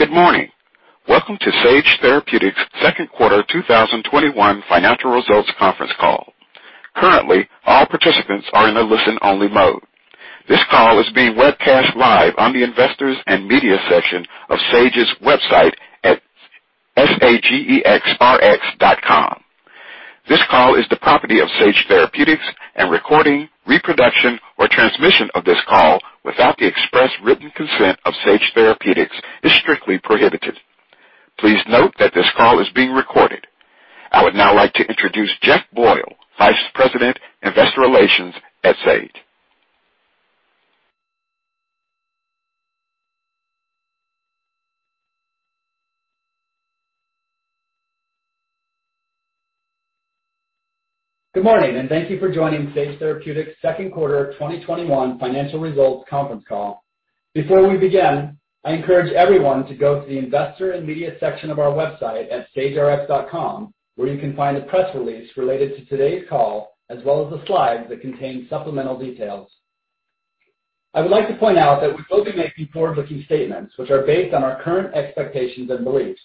Good morning. Welcome to Sage Therapeutics' second quarter 2021 financial results conference call. This call is being webcast live on the Investors and Media section of Sage's website at sagerx.com. This call is the property of Sage Therapeutics, and recording, reproduction, or transmission of this call without the express written consent of Sage Therapeutics is strictly prohibited. Please note that this call is being recorded. I would now like to introduce Jeff Boyle, Vice President, Investor Relations at Sage. Good morning, and thank you for joining Sage Therapeutics' second quarter 2021 financial results conference call. Before we begin, I encourage everyone to go to the Investor and Media section of our website at sagerx.com, where you can find the press release related to today's call, as well as the slides that contain supplemental details. I would like to point out that we will be making forward-looking statements which are based on our current expectations and beliefs.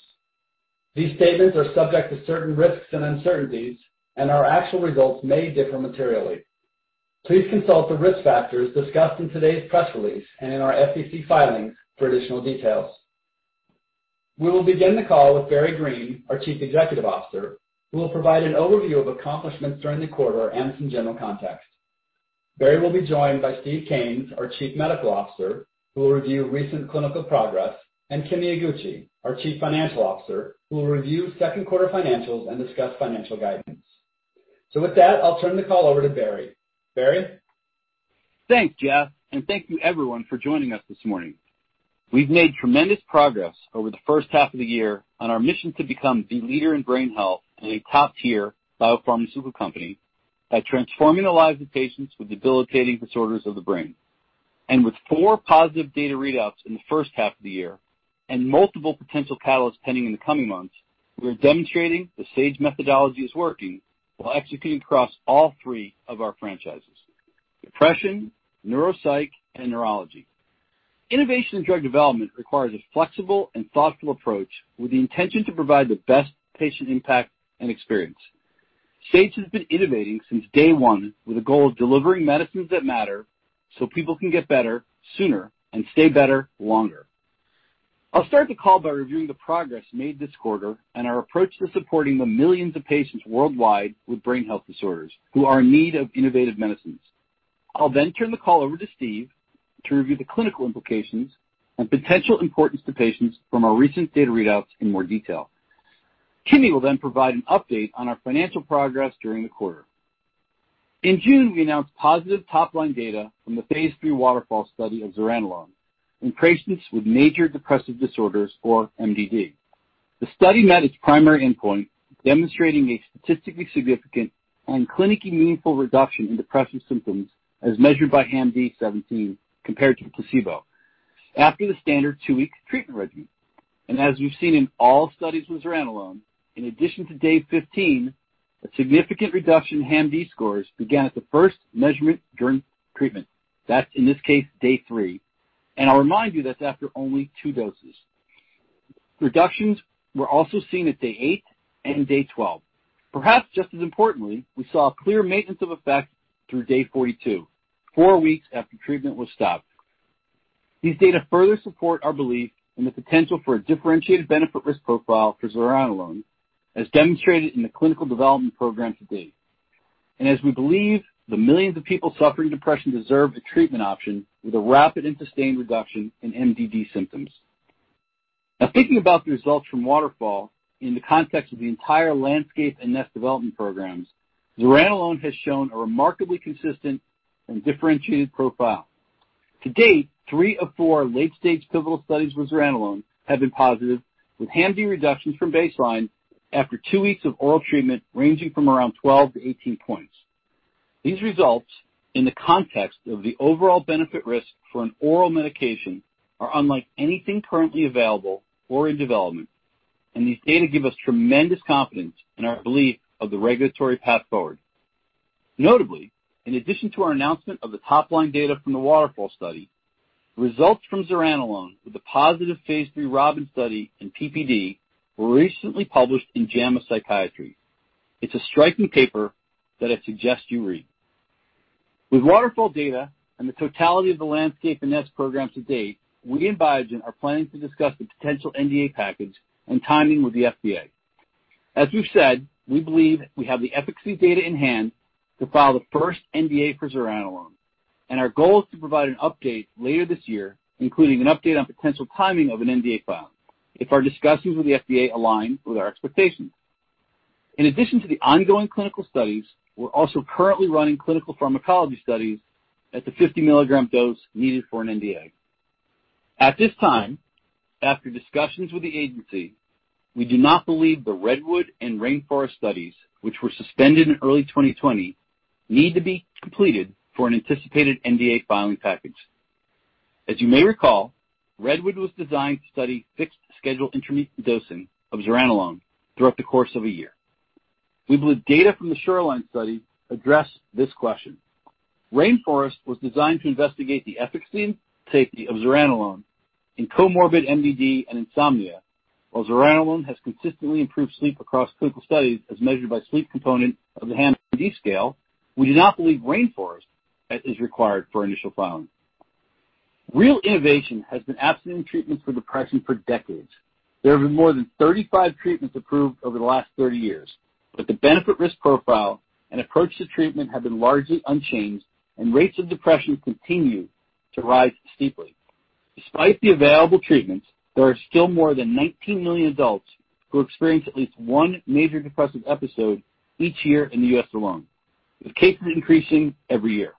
These statements are subject to certain risks and uncertainties, and our actual results may differ materially. Please consult the risk factors discussed in today's press release and in our SEC filings for additional details. We will begin the call with Barry Greene, our Chief Executive Officer, who will provide an overview of accomplishments during the quarter and some general context. Barry will be joined by Steve Kanes, our Chief Medical Officer, who will review recent clinical progress, and Kimi Iguchi, our Chief Financial Officer, who will review second quarter financials and discuss financial guidance. With that, I'll turn the call over to Barry. Barry? Thanks, Jeff. Thank you everyone for joining us this morning. We've made tremendous progress over the first half of the year on our mission to become the leader in brain health and a top-tier biopharmaceutical company by transforming the lives of patients with debilitating disorders of the brain. With four positive data readouts in the first half of the year and multiple potential catalysts pending in the coming months, we are demonstrating the Sage methodology is working while executing across all three of our franchises, depression, neuropsych, and neurology. Innovation in drug development requires a flexible and thoughtful approach with the intention to provide the best patient impact and experience. Sage has been innovating since day one with the goal of delivering medicines that matter so people can get better sooner and stay better longer. I'll start the call by reviewing the progress made this quarter and our approach to supporting the millions of patients worldwide with brain health disorders who are in need of innovative medicines. I'll then turn the call over to Steve to review the clinical implications and potential importance to patients from our recent data readouts in more detail. Kimi will then provide an update on our financial progress during the quarter. In June, we announced positive top-line data from the phase III WATERFALL study of zuranolone in patients with major depressive disorders, or MDD. The study met its primary endpoint, demonstrating a statistically significant and clinically meaningful reduction in depression symptoms as measured by HAM-D 17 compared to placebo after the standard two-week treatment regimen. As we've seen in all studies with zuranolone, in addition to day 15, a significant reduction in HAM-D scores began at the first measurement during treatment. That's in this case, day three. I'll remind you that's after only two doses. Reductions were also seen at day eight and day 12. Perhaps just as importantly, we saw a clear maintenance of effect through day 42, four weeks after treatment was stopped. These data further support our belief in the potential for a differentiated benefit risk profile for zuranolone, as demonstrated in the clinical development program to date. As we believe the millions of people suffering depression deserve a treatment option with a rapid and sustained reduction in MDD symptoms. Thinking about the results from WATERFALL in the context of the entire Landscape and Nest development programs, zuranolone has shown a remarkably consistent and differentiated profile. To date, three of four late-stage pivotal studies with zuranolone have been positive, with HAM-D reductions from baseline after two weeks of oral treatment ranging from around 12-18 points. These results, in the context of the overall benefit risk for an oral medication, are unlike anything currently available or in development, and these data give us tremendous confidence in our belief of the regulatory path forward. Notably, in addition to our announcement of the top-line data from the WATERFALL study, results from zuranolone with the positive phase III ROBIN study in PPD were recently published in JAMA Psychiatry. It's a striking paper that I suggest you read. With WATERFALL data and the totality of the Landscape and Nest programs to date, we and Biogen are planning to discuss the potential NDA package and timing with the FDA. As we've said, we believe we have the efficacy data in hand to file the first NDA for zuranolone, and our goal is to provide an update later this year, including an update on potential timing of an NDA file if our discussions with the FDA align with our expectations. In addition to the ongoing clinical studies, we are also currently running clinical pharmacology studies at the 50-mg dose needed for an NDA. At this time, after discussions with the agency, we do not believe the REDWOOD and RAINFOREST studies, which were suspended in early 2020, need to be completed for an anticipated NDA filing package. As you may recall, REDWOOD was designed to study fixed schedule intermittent dosing of zuranolone throughout the course of a year. We believe data from the SHORELINE study address this question. RAINFOREST was designed to investigate the efficacy and safety of zuranolone in comorbid MDD and insomnia. While zuranolone has consistently improved sleep across clinical studies as measured by sleep component of the HAM-D scale, we do not believe RAINFOREST is required for initial filing. Real innovation has been absent in treatments for depression for decades. There have been more than 35 treatments approved over the last 30 years, but the benefit/risk profile and approach to treatment have been largely unchanged, and rates of depression continue to rise steeply. Despite the available treatments, there are still more than 19 million adults who experience at least one major depressive episode each year in the U.S. alone, with cases increasing every year.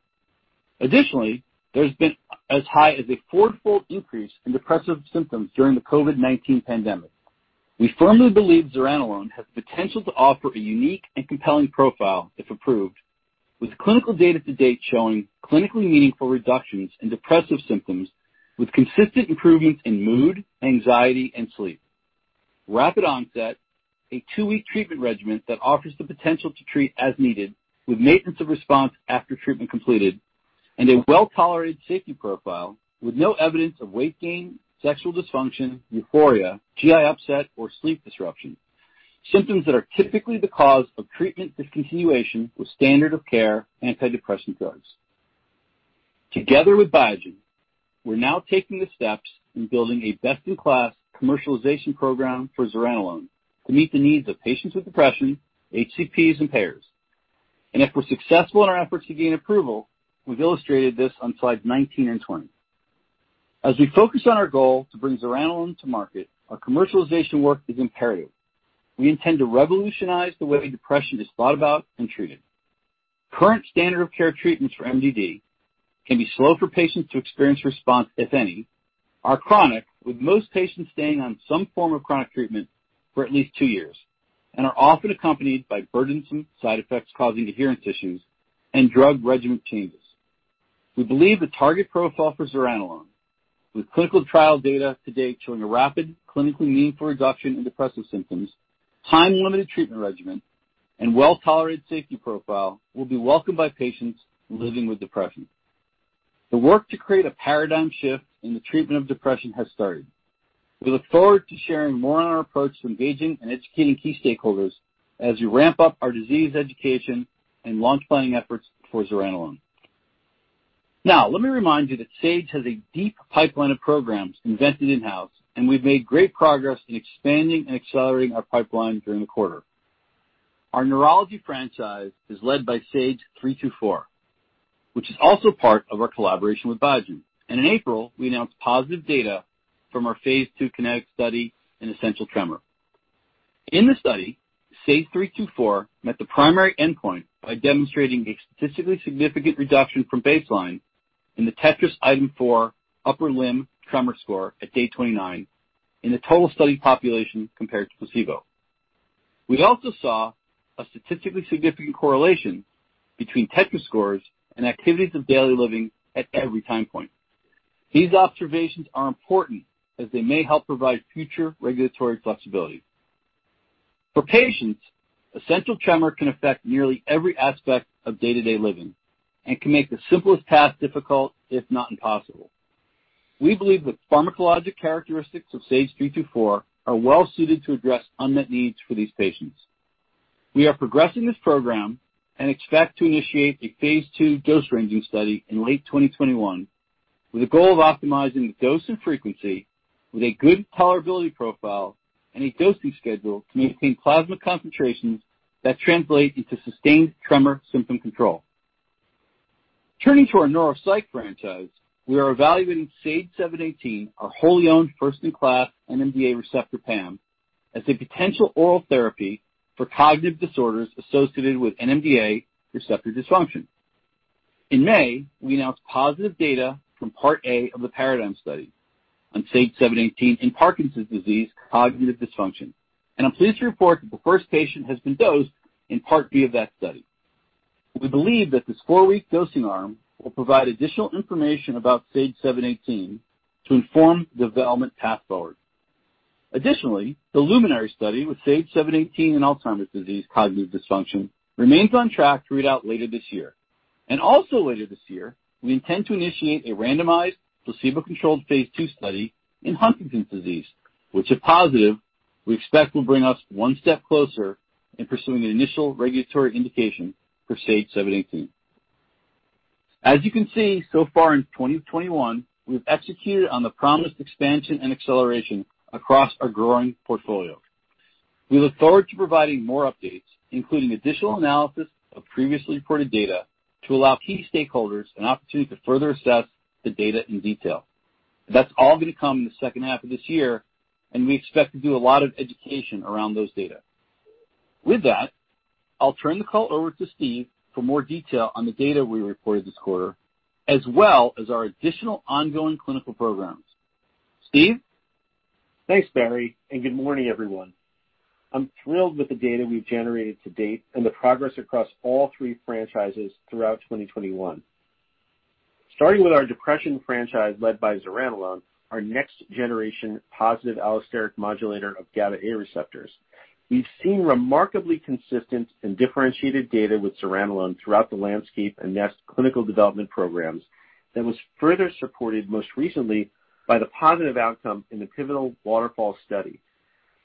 Additionally, there's been as high as a four-fold increase in depressive symptoms during the COVID-19 pandemic. We firmly believe zuranolone has the potential to offer a unique and compelling profile if approved, with clinical data to date showing clinically meaningful reductions in depressive symptoms with consistent improvements in mood, anxiety, and sleep. Rapid onset, a two-week treatment regimen that offers the potential to treat as needed with maintenance of response after treatment completed, and a well-tolerated safety profile with no evidence of weight gain, sexual dysfunction, euphoria, GI upset, or sleep disruption. Symptoms that are typically the cause of treatment discontinuation with standard of care antidepressant drugs. Together with Biogen, we're now taking the steps in building a best-in-class commercialization program for zuranolone to meet the needs of patients with depression, HCPs, and payers. If we're successful in our efforts to gain approval, we've illustrated this on slide 19 and 20. As we focus on our goal to bring zuranolone to market, our commercialization work is imperative. We intend to revolutionize the way depression is thought about and treated. Current standard of care treatments for MDD can be slow for patients to experience response, if any; are chronic, with most patients staying on some form of chronic treatment for at least two years; and are often accompanied by burdensome side effects causing adherence issues and drug regimen changes. We believe the target profile for zuranolone with clinical trial data to date showing a rapid clinically meaningful reduction in depressive symptoms, time-limited treatment regimen, and well-tolerated safety profile will be welcomed by patients living with depression. The work to create a paradigm shift in the treatment of depression has started. We look forward to sharing more on our approach to engaging and educating key stakeholders as we ramp up our disease education and launch planning efforts for zuranolone. Now, let me remind you that Sage has a deep pipeline of programs invented in-house, and we've made great progress in expanding and accelerating our pipeline during the quarter. Our neurology franchise is led by SAGE-324, which is also part of our collaboration with Biogen. In April, we announced positive data from our phase II KINETIC study in essential tremor. In the study, SAGE-324 met the primary endpoint by demonstrating a statistically significant reduction from baseline in the TETRAS Item 4 upper limb tremor score at day 29 in the total study population compared to placebo. We also saw a statistically significant correlation between TETRAS scores and activities of daily living at every time point. These observations are important as they may help provide future regulatory flexibility. For patients, essential tremor can affect nearly every aspect of day-to-day living and can make the simplest task difficult, if not impossible. We believe the pharmacologic characteristics of SAGE-324 are well suited to address unmet needs for these patients. We are progressing this program and expect to initiate a phase II dose-ranging study in late 2021 with a goal of optimizing dose and frequency with a good tolerability profile and a dosing schedule to maintain plasma concentrations that translate into sustained tremor symptom control. Turning to our neuropsych franchise, we are evaluating SAGE-718, our wholly owned first-in-class NMDA receptor PAM, as a potential oral therapy for cognitive disorders associated with NMDA receptor dysfunction. In May, we announced positive data from Part A of the PARADIGM study on SAGE-718 in Parkinson's disease cognitive dysfunction. I'm pleased to report that the first patient has been dosed in Part B of that study. We believe that this four-week dosing arm will provide additional information about SAGE-718 to inform the development path forward. Additionally, the LUMINARY study with SAGE-718 in Alzheimer's disease cognitive dysfunction remains on track to read out later this year. Also later this year, we intend to initiate a randomized placebo-controlled phase II study in Huntington's disease, which, if positive, we expect will bring us one step closer in pursuing an initial regulatory indication for SAGE-718. As you can see so far in 2021, we've executed on the promised expansion and acceleration across our growing portfolio. We look forward to providing more updates, including additional analysis of previously reported data to allow key stakeholders an opportunity to further assess the data in detail. That's all going to come in the second half of this year, and we expect to do a lot of education around those data. With that, I'll turn the call over to Steve for more detail on the data we reported this quarter, as well as our additional ongoing clinical programs. Steve? Thanks, Barry, and good morning, everyone. I'm thrilled with the data we've generated to date and the progress across all three franchises throughout 2021. Starting with our depression franchise led by zuranolone, our next generation positive allosteric modulator of GABA A receptors. We've seen remarkably consistent and differentiated data with zuranolone throughout the Landscape and Nest clinical development programs that was further supported most recently by the positive outcome in the pivotal WATERFALL study.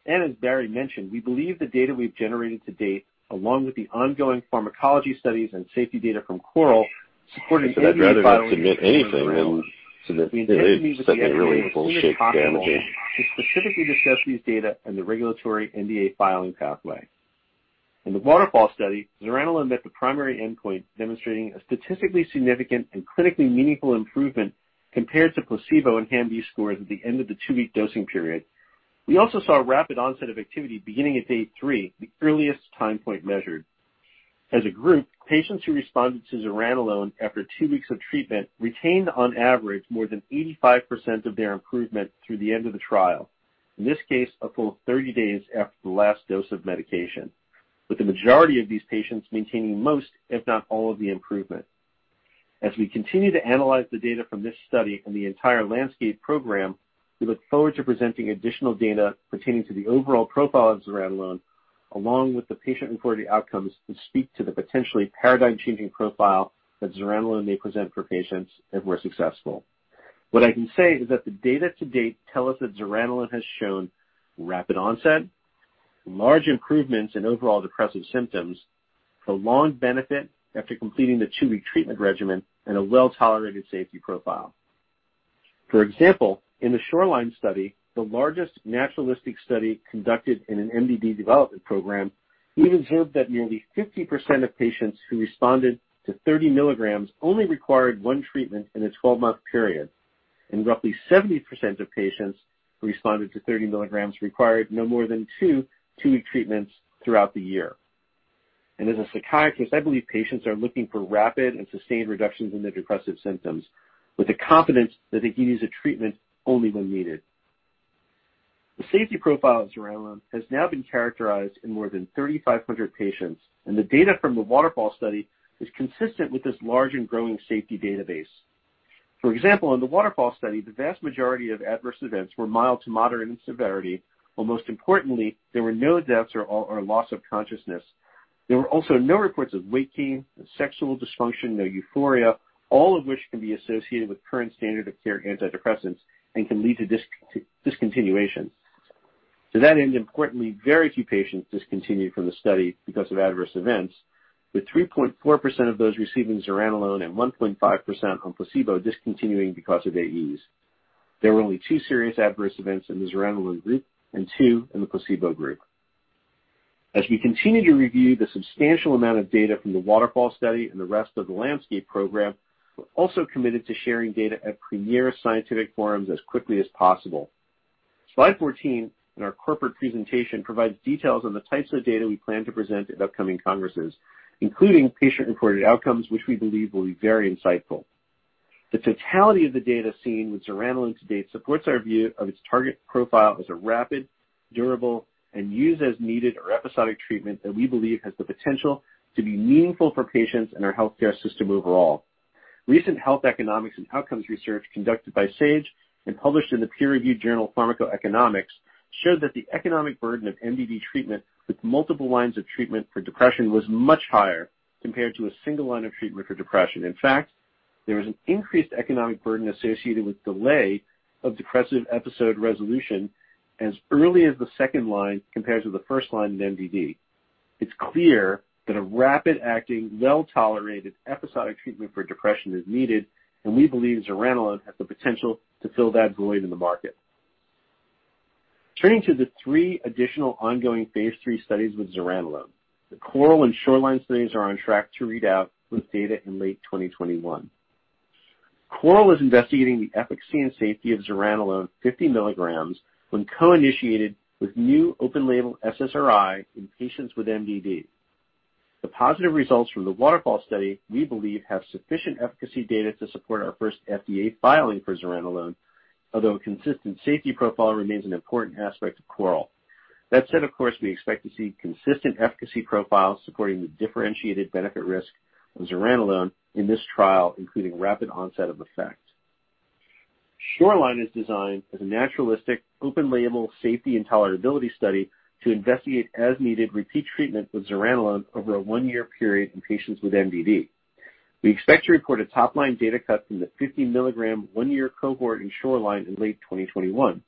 As Barry mentioned, we believe the data we've generated to date, along with the ongoing pharmacology studies and safety data from CORAL supporting the efficacy profile of zuranolone. We intend to meet with the FDA as soon as possible to specifically discuss these data and the regulatory NDA filing pathway. In the WATERFALL study, zuranolone met the primary endpoint, demonstrating a statistically significant and clinically meaningful improvement compared to placebo and HAM-D scores at the end of the two-week dosing period. We also saw a rapid onset of activity beginning at day three, the earliest time point measured. As a group, patients who responded to zuranolone after two weeks of treatment retained, on average, more than 85% of their improvement through the end of the trial. In this case, a full 30 days after the last dose of medication. With the majority of these patients maintaining most, if not all of the improvement. As we continue to analyze the data from this study and the entire Landscape program, we look forward to presenting additional data pertaining to the overall profile of zuranolone, along with the patient-reported outcomes that speak to the potentially paradigm-changing profile that zuranolone may present for patients if we're successful. What I can say is that the data to date tell us that zuranolone has shown rapid onset, large improvements in overall depressive symptoms, prolonged benefit after completing the two-week treatment regimen, and a well-tolerated safety profile. For example, in the SHORELINE study, the largest naturalistic study conducted in an MDD development program, we observed that nearly 50% of patients who responded to 30 mg only required one treatment in a 12-month period. Roughly 70% of patients who responded to 30 mg required no more than two-week treatments throughout the year. As a psychiatrist, I believe patients are looking for rapid and sustained reductions in their depressive symptoms with the confidence that they can use a treatment only when needed. The safety profile of zuranolone has now been characterized in more than 3,500 patients, and the data from the WATERFALL study is consistent with this large and growing safety database. For example, in the WATERFALL study, the vast majority of adverse events were mild to moderate in severity, while most importantly, there were no deaths or loss of consciousness. There were also no reports of weight gain, sexual dysfunction, no euphoria, all of which can be associated with current standard of care antidepressants and can lead to discontinuation. To that end, importantly, very few patients discontinued from the study because of adverse events, with 3.4% of those receiving zuranolone and 1.5% on placebo discontinuing because of AEs. There were only two serious adverse events in the zuranolone group and two in the placebo group. As we continue to review the substantial amount of data from the WATERFALL study and the rest of the Landscape program, we're also committed to sharing data at premier scientific forums as quickly as possible. Slide 14 in our corporate presentation provides details on the types of data we plan to present at upcoming congresses, including patient-reported outcomes, which we believe will be very insightful. The totality of the data seen with zuranolone to date supports our view of its target profile as a rapid, durable, and use-as-needed or episodic treatment that we believe has the potential to be meaningful for patients and our healthcare system overall. Recent health economics and outcomes research conducted by Sage and published in the peer-reviewed journal Pharmacoeconomics showed that the economic burden of MDD treatment with multiple lines of treatment for depression was much higher compared to a single line of treatment for depression. In fact, there is an increased economic burden associated with delay of depressive episode resolution as early as the second line, compared to the first line in MDD. It's clear that a rapid-acting, well-tolerated episodic treatment for depression is needed, and we believe zuranolone has the potential to fill that void in the market. Turning to the three additional ongoing phase III studies with zuranolone. The CORAL and SHORELINE studies are on track to read out with data in late 2021. CORAL is investigating the efficacy and safety of zuranolone 50 mg when co-initiated with new open label SSRI in patients with MDD. The positive results from the WATERFALL study, we believe, have sufficient efficacy data to support our first FDA filing for zuranolone, although a consistent safety profile remains an important aspect of CORAL. That said, of course, we expect to see consistent efficacy profiles supporting the differentiated benefit risk of zuranolone in this trial, including rapid onset of effect. SHORELINE is designed as a naturalistic, open label safety and tolerability study to investigate as-needed repeat treatment with zuranolone over a one-year period in patients with MDD. We expect to report a top-line data cut from the 50 mg one-year cohort in SHORELINE in late 2021.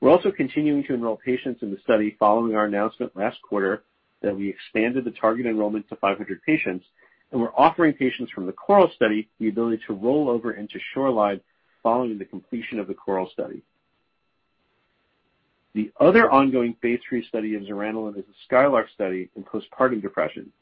We're also continuing to enroll patients in the study following our announcement last quarter that we expanded the target enrollment to 500 patients, and we're offering patients from the CORAL study the ability to roll over into SHORELINE following the completion of the CORAL study. The other ongoing phase III study in zuranolone is the SKYLARK study in postpartum depression.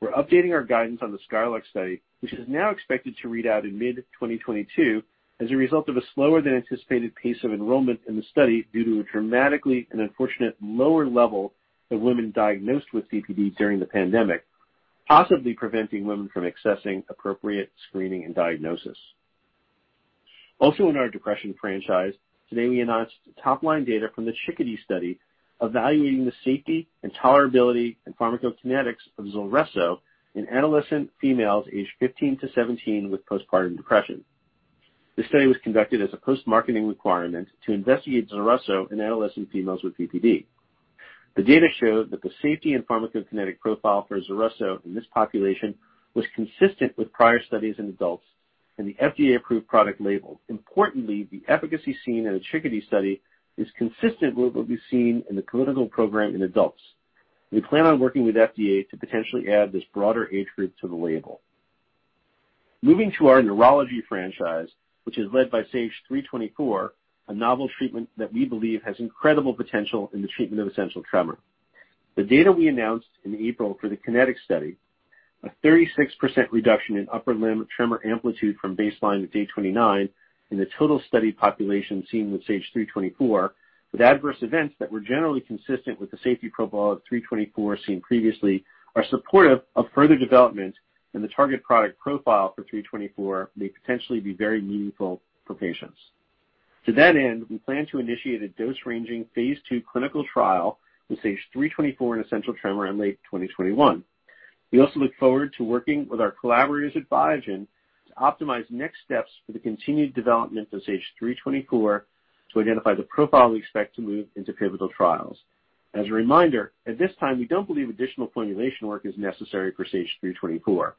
We're updating our guidance on the SKYLARK study, which is now expected to read out in mid-2022 as a result of a slower than anticipated pace of enrollment in the study due to a dramatically and unfortunate lower level of women diagnosed with PPD during the pandemic, possibly preventing women from accessing appropriate screening and diagnosis. In our depression franchise, today we announced the top-line data from the CHICKADEE study evaluating the safety and tolerability and pharmacokinetics of ZULRESSO in adolescent females aged 15 to 17 with postpartum depression. This study was conducted as a post-marketing requirement to investigate ZULRESSO in adolescent females with PPD. The data show that the safety and pharmacokinetic profile for ZULRESSO in this population was consistent with prior studies in adults and the FDA-approved product label. Importantly, the efficacy seen in the CHICKADEE study is consistent with what we've seen in the clinical program in adults. We plan on working with FDA to potentially add this broader age group to the label. Moving to our neurology franchise, which is led by SAGE-324, a novel treatment that we believe has incredible potential in the treatment of essential tremor. The data we announced in April for the KINETIC study, a 36% reduction in upper limb tremor amplitude from baseline to day 29 in the total study population seen with SAGE-324, with adverse events that were generally consistent with the safety profile of 324 seen previously, are supportive of further development, and the target product profile for 324 may potentially be very meaningful for patients. To that end, we plan to initiate a dose-ranging phase II clinical trial with SAGE-324 in essential tremor in late 2021. We also look forward to working with our collaborators at Biogen to optimize next steps for the continued development of SAGE-324 to identify the profile we expect to move into pivotal trials. As a reminder, at this time, we don't believe additional formulation work is necessary for SAGE-324.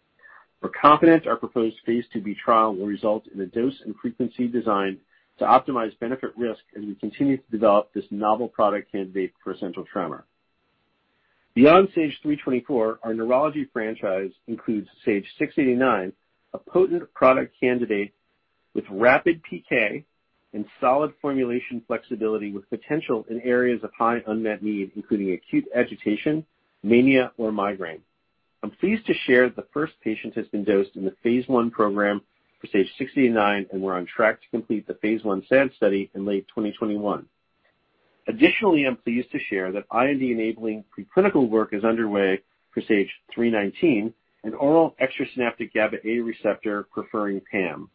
We're confident our proposed phase II-B trial will result in a dose and frequency design to optimize benefit risk as we continue to develop this novel product candidate for essential tremor. Beyond SAGE-324, our neurology franchise includes SAGE-689, a potent product candidate with rapid PK and solid formulation flexibility with potential in areas of high unmet need, including acute agitation, mania, or migraine. I'm pleased to share that the first patient has been dosed in the phase I program for SAGE-689, and we're on track to complete the phase I SAD study in late 2021. I'm pleased to share that IND-enabling pre-clinical work is underway for SAGE-319, an oral extrasynaptic GABA A receptor preferring PAM.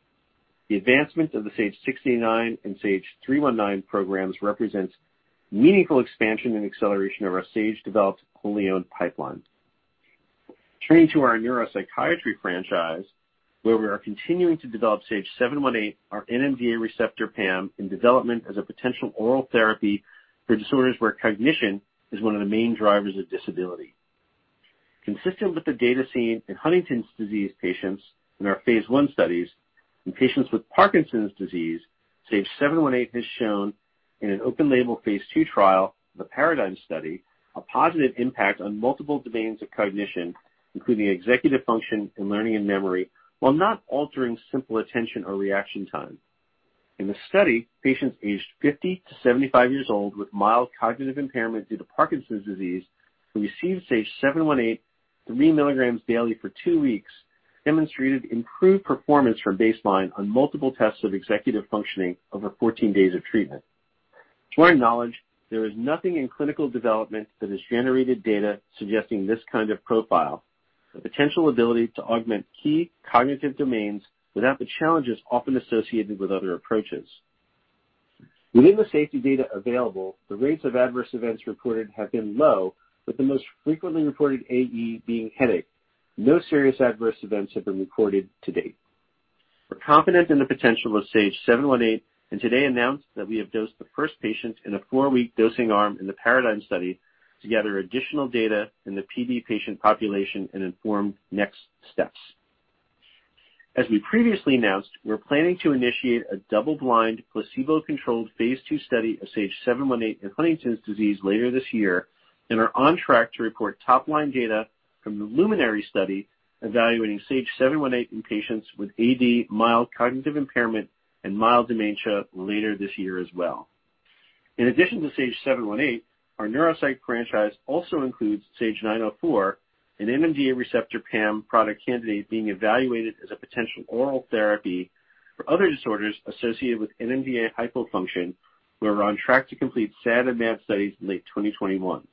The advancement of the SAGE-689 and SAGE-319 programs represents meaningful expansion and acceleration of our Sage-developed, wholly owned pipeline. Turning to our neuropsychiatry franchise, where we are continuing to develop SAGE-718, our NMDA receptor PAM in development as a potential oral therapy for disorders where cognition is one of the main drivers of disability. Consistent with the data seen in Huntington's disease patients in our phase I studies, in patients with Parkinson's disease, SAGE-718 has shown in an open-label phase II trial, the PARADIGM study, a positive impact on multiple domains of cognition, including executive function and learning and memory, while not altering simple attention or reaction time. In the study, patients aged 50 to 75 years old with mild cognitive impairment due to Parkinson's disease who received SAGE-718 3 mg daily for two weeks demonstrated improved performance from baseline on multiple tests of executive functioning over 14 days of treatment. To our knowledge, there is nothing in clinical development that has generated data suggesting this kind of profile. The potential ability to augment key cognitive domains without the challenges often associated with other approaches. Within the safety data available, the rates of adverse events reported have been low, with the most frequently reported AE being headache. No serious adverse events have been recorded to date. We're confident in the potential of SAGE-718 and today announced that we have dosed the first patient in a four-week dosing arm in the PARADIGM study to gather additional data in the PD patient population and inform next steps. As we previously announced, we're planning to initiate a double-blind, placebo-controlled phase II study of SAGE-718 in Huntington's disease later this year and are on track to report top-line data from the LUMINARY study evaluating SAGE-718 in patients with AD mild cognitive impairment and mild dementia later this year as well. In addition to SAGE-718, our neuropsych franchise also includes SAGE-904, an NMDA receptor PAM product candidate being evaluated as a potential oral therapy for other disorders associated with NMDA hypofunction. We're on track to complete SAD and MAD studies in late 2021.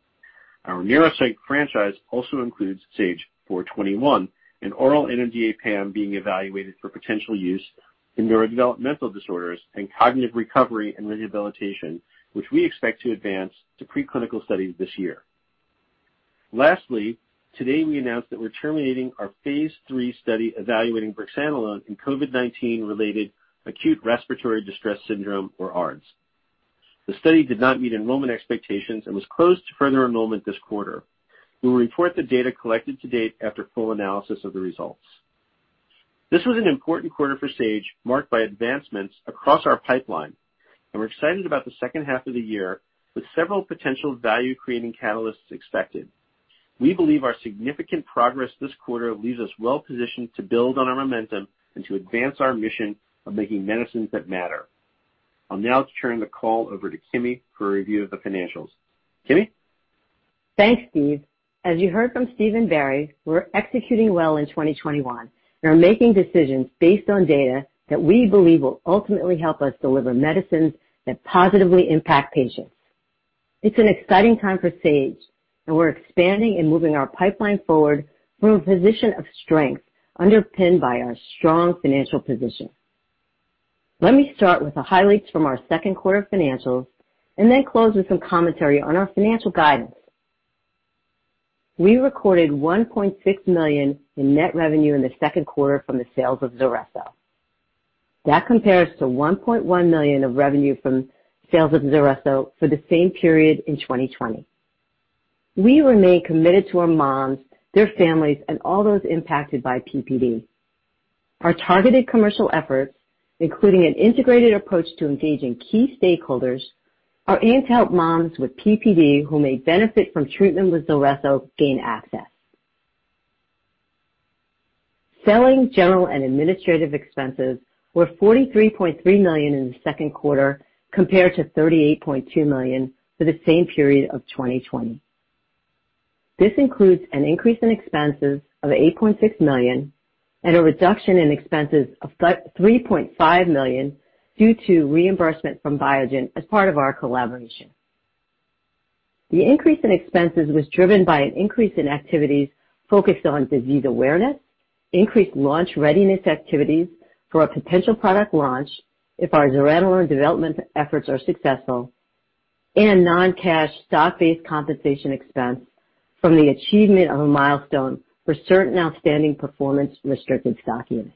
Our neuropsych franchise also includes SAGE-421, an oral NMDA PAM being evaluated for potential use in neurodevelopmental disorders and cognitive recovery and rehabilitation, which we expect to advance to preclinical studies this year. Today we announced that we're terminating our phase III study evaluating brexanolone in COVID-19 related acute respiratory distress syndrome or ARDS. The study did not meet enrollment expectations and was closed to further enrollment this quarter. We will report the data collected to date after full analysis of the results. This was an important quarter for Sage, marked by advancements across our pipeline. We're excited about the second half of the year with several potential value-creating catalysts expected. We believe our significant progress this quarter leaves us well positioned to build on our momentum and to advance our mission of making medicines that matter. I'll now turn the call over to Kimi for a review of the financials. Kimi? Thanks, Steve. As you heard from Steve and Barry, we're executing well in 2021 and are making decisions based on data that we believe will ultimately help us deliver medicines that positively impact patients. It's an exciting time for Sage, we're expanding and moving our pipeline forward from a position of strength underpinned by our strong financial position. Let me start with the highlights from our second quarter financials and then close with some commentary on our financial guidance. We recorded $1.6 million in net revenue in the second quarter from the sales of ZULRESSO. That compares to $1.1 million of revenue from sales of ZULRESSO for the same period in 2020. We remain committed to our moms, their families, and all those impacted by PPD. Our targeted commercial efforts, including an integrated approach to engaging key stakeholders, are aimed to help moms with PPD who may benefit from treatment with ZULRESSO gain access. Selling, general, and administrative expenses were $43.3 million in the second quarter compared to $38.2 million for the same period of 2020. This includes an increase in expenses of $8.6 million and a reduction in expenses of $3.5 million due to reimbursement from Biogen as part of our collaboration. The increase in expenses was driven by an increase in activities focused on disease awareness, increased launch readiness activities for a potential product launch if our zuranolone development efforts are successful, and a non-cash stock-based compensation expense from the achievement of a milestone for certain outstanding performance restricted stock units.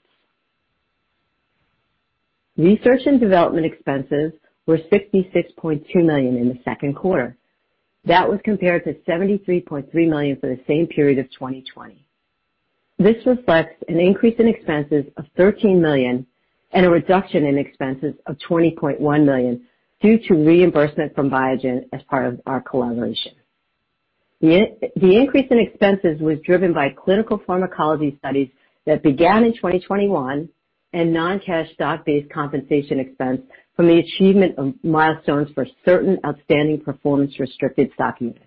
Research and development expenses were $66.2 million in the second quarter. That was compared to $73.3 million for the same period of 2020. This reflects an increase in expenses of $13 million and a reduction in expenses of $20.1 million due to reimbursement from Biogen as part of our collaboration. The increase in expenses was driven by clinical pharmacology studies that began in 2021 and non-cash stock-based compensation expense from the achievement of milestones for certain outstanding performance restricted stock units.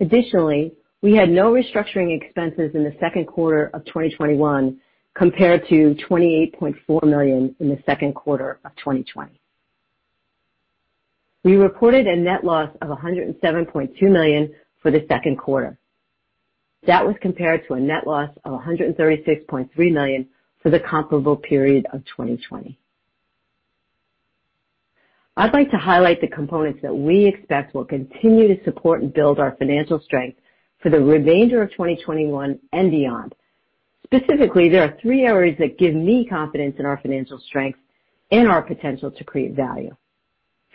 Additionally, we had no restructuring expenses in the second quarter of 2021 compared to $28.4 million in the second quarter of 2020. We reported a net loss of $107.2 million for the second quarter. That was compared to a net loss of $136.3 million for the comparable period of 2020. I'd like to highlight the components that we expect will continue to support and build our financial strength for the remainder of 2021 and beyond. Specifically, there are three areas that give me confidence in our financial strength and our potential to create value.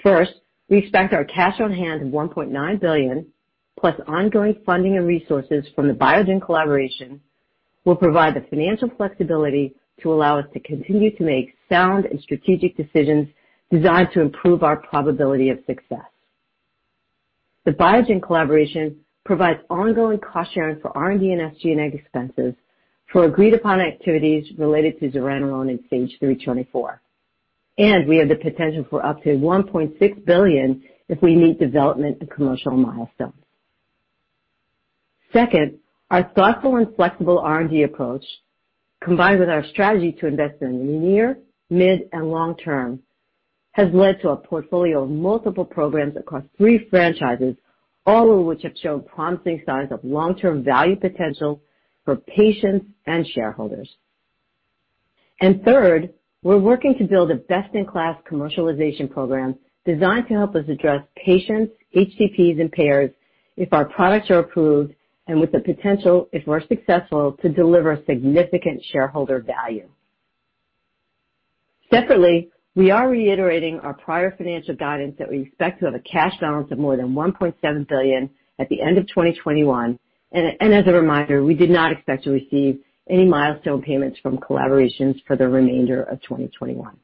First, we expect our cash on hand of $1.9 billion plus ongoing funding and resources from the Biogen collaboration will provide the financial flexibility to allow us to continue to make sound and strategic decisions designed to improve our probability of success. The Biogen collaboration provides ongoing cost-sharing for R&D and SG&A expenses for agreed-upon activities related to zuranolone in SAGE-324, and we have the potential for up to $1.6 billion if we meet development and commercial milestones. Second, our thoughtful and flexible R&D approach, combined with our strategy to invest in near, mid, and long-term, has led to a portfolio of multiple programs across three franchises, all of which have shown promising signs of long-term value potential for patients and shareholders. Third, we're working to build a best-in-class commercialization program designed to help us address patients, HCPs, and payers if our products are approved, and with the potential, if we're successful, to deliver significant shareholder value. Separately, we are reiterating our prior financial guidance that we expect to have a cash balance of more than $1.7 billion at the end of 2021. As a reminder, we did not expect to receive any milestone payments from collaborations for the remainder of 2021.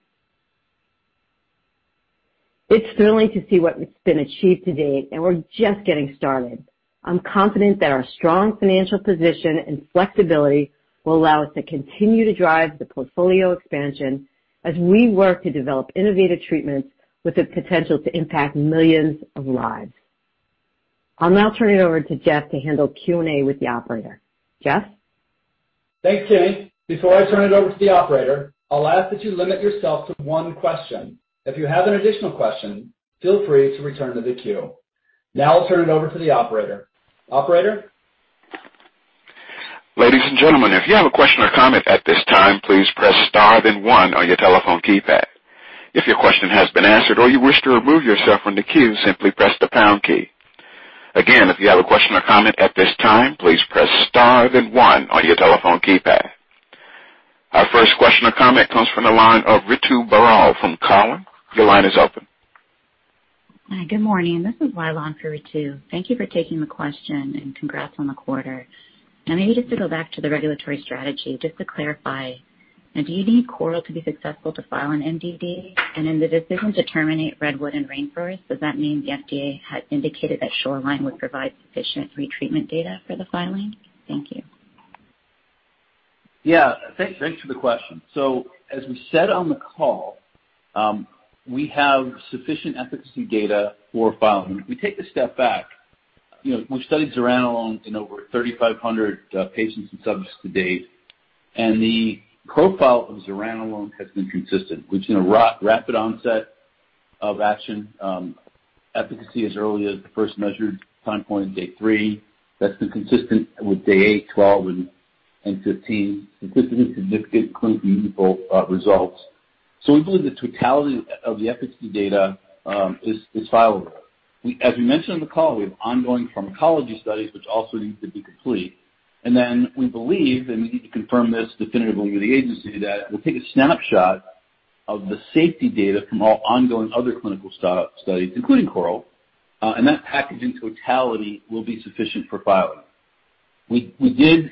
It's thrilling to see what's been achieved to date, and we're just getting started. I'm confident that our strong financial position and flexibility will allow us to continue to drive the portfolio expansion as we work to develop innovative treatments with the potential to impact millions of lives. I'll now turn it over to Jeff to handle Q&A with the operator. Jeff? Thanks, Kimi. Before I turn it over to the operator, I'll ask that you limit yourself to one question. If you have an additional question, feel free to return to the queue. I'll turn it over to the operator. Operator? Our first question or comment comes from the line of Ritu Baral from Cowen. Your line is open. Good morning. This is Wai Lan for Ritu. Thank you for taking the question, and congrats on the quarter. Now maybe just to go back to the regulatory strategy, just to clarify, now, do you need CORAL to be successful to file an MDD? In the decision to terminate REDWOOD and RAINFOREST, does that mean the FDA had indicated that SHORELINE would provide sufficient retreatment data for the filing? Thank you. Yeah. Thanks for the question. As we said on the call, we have sufficient efficacy data for filing. If we take a step back. We've studied zuranolone in over 3,500 patients and subjects to date, and the profile of zuranolone has been consistent. We've seen a rapid onset of action, efficacy as early as the first measured time point on day three. That's been consistent with day 8, 12, and 15, consistently significant clinically meaningful results. We believe the totality of the efficacy data is fileable. As we mentioned on the call, we have ongoing pharmacology studies which also need to be complete. We believe, and we need to confirm this definitively with the agency, that we'll take a snapshot of the safety data from all ongoing other clinical studies, including CORAL, and that package in totality will be sufficient for filing. We did.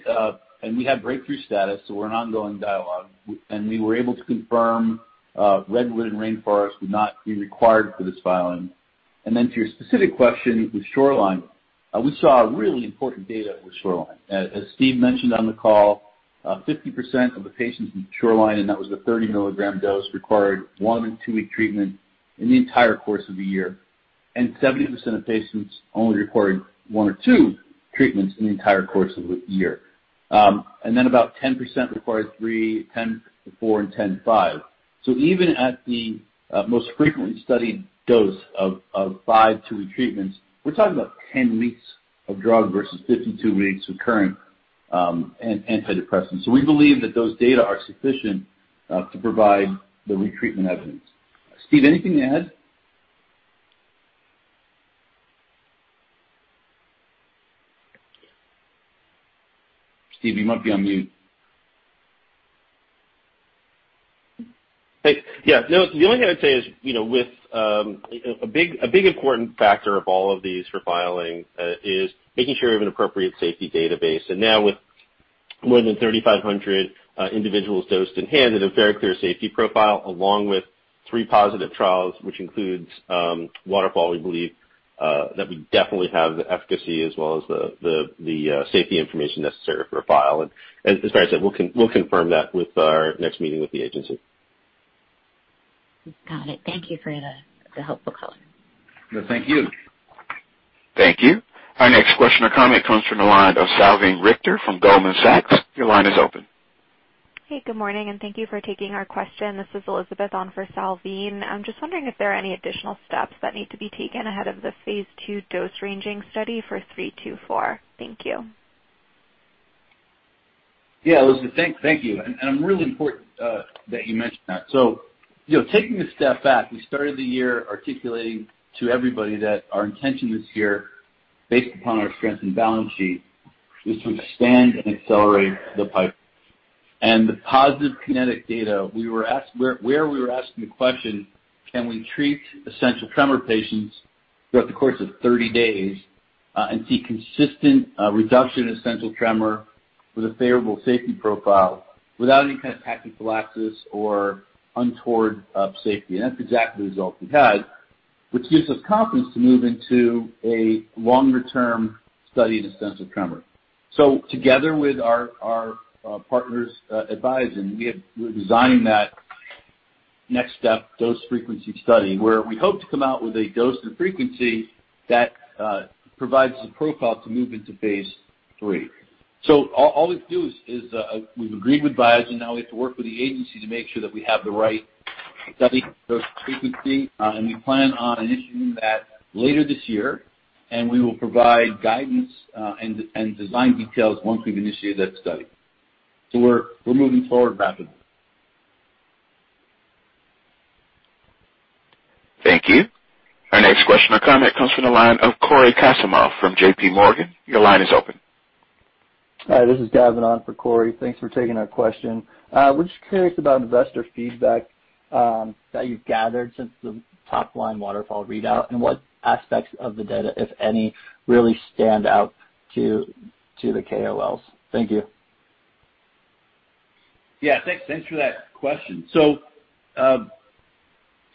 We have breakthrough status. We're in ongoing dialogue. We were able to confirm REDWOOD and RAINFOREST would not be required for this filing. To your specific question with SHORELINE, we saw really important data with SHORELINE. As Steve mentioned on the call, 50% of the patients in SHORELINE, and that was the 30 mg dose, required one and two-week treatment in the entire course of the year. 70% of patients only required one or two treatments in the entire course of a year. About 10% required 3, 10, 4, and 10, 5. Even at the most frequently studied dose of five two-week treatments, we're talking about 10 weeks of drug versus 52 weeks of current antidepressants. We believe that those data are sufficient to provide the retreatment evidence. Steve, anything to add? Steve, you might be on mute. Hey. Yeah, no, the only thing I'd say is, a big important factor of all of these for filing is making sure we have an appropriate safety database. Now with more than 3,500 individuals dosed in hand and a very clear safety profile, along with three positive trials, which includes WATERFALL, we believe that we definitely have the efficacy as well as the safety information necessary for a file. As Barry said, we'll confirm that with our next meeting with the agency. Got it. Thank you for the helpful color. No, thank you. Thank you. Our next question or comment comes from the line of Salveen Richter from Goldman Sachs. Hey, good morning, and thank you for taking our question. This is Elizabeth on for Salveen. I'm just wondering if there are any additional steps that need to be taken ahead of the phase II dose-ranging study for 324. Thank you. Yeah, Elizabeth, thank you. Really important that you mention that. Taking a step back, we started the year articulating to everybody that our intention this year, based upon our strength and balance sheet, is to expand and accelerate the pipe. The positive KINETIC data, where we were asking the question, "Can we treat essential tremor patients throughout the course of 30 days and see consistent reduction in essential tremor with a favorable safety profile without any kind of tachyphylaxis or untoward safety?" That's exactly the result we had, which gives us confidence to move into a longer-term study in essential tremor. Together with our partners, Biogen, we're designing that next step dose frequency study, where we hope to come out with a dose and frequency that provides the profile to move into phase III. All we do is we've agreed with Biogen, now we have to work with the agency to make sure that we have the right study dose frequency, and we plan on initiating that later this year, and we will provide guidance and design details once we've initiated that study. We're moving forward rapidly. Thank you. Our next question or comment comes from the line of Cory Kasimov from JPMorgan. Your line is open. Hi, this is Gavin on for Cory. Thanks for taking our question. We're just curious about investor feedback that you've gathered since the top line WATERFALL readout, and what aspects of the data, if any, really stand out to the KOLs. Thank you. Yeah. Thanks for that question.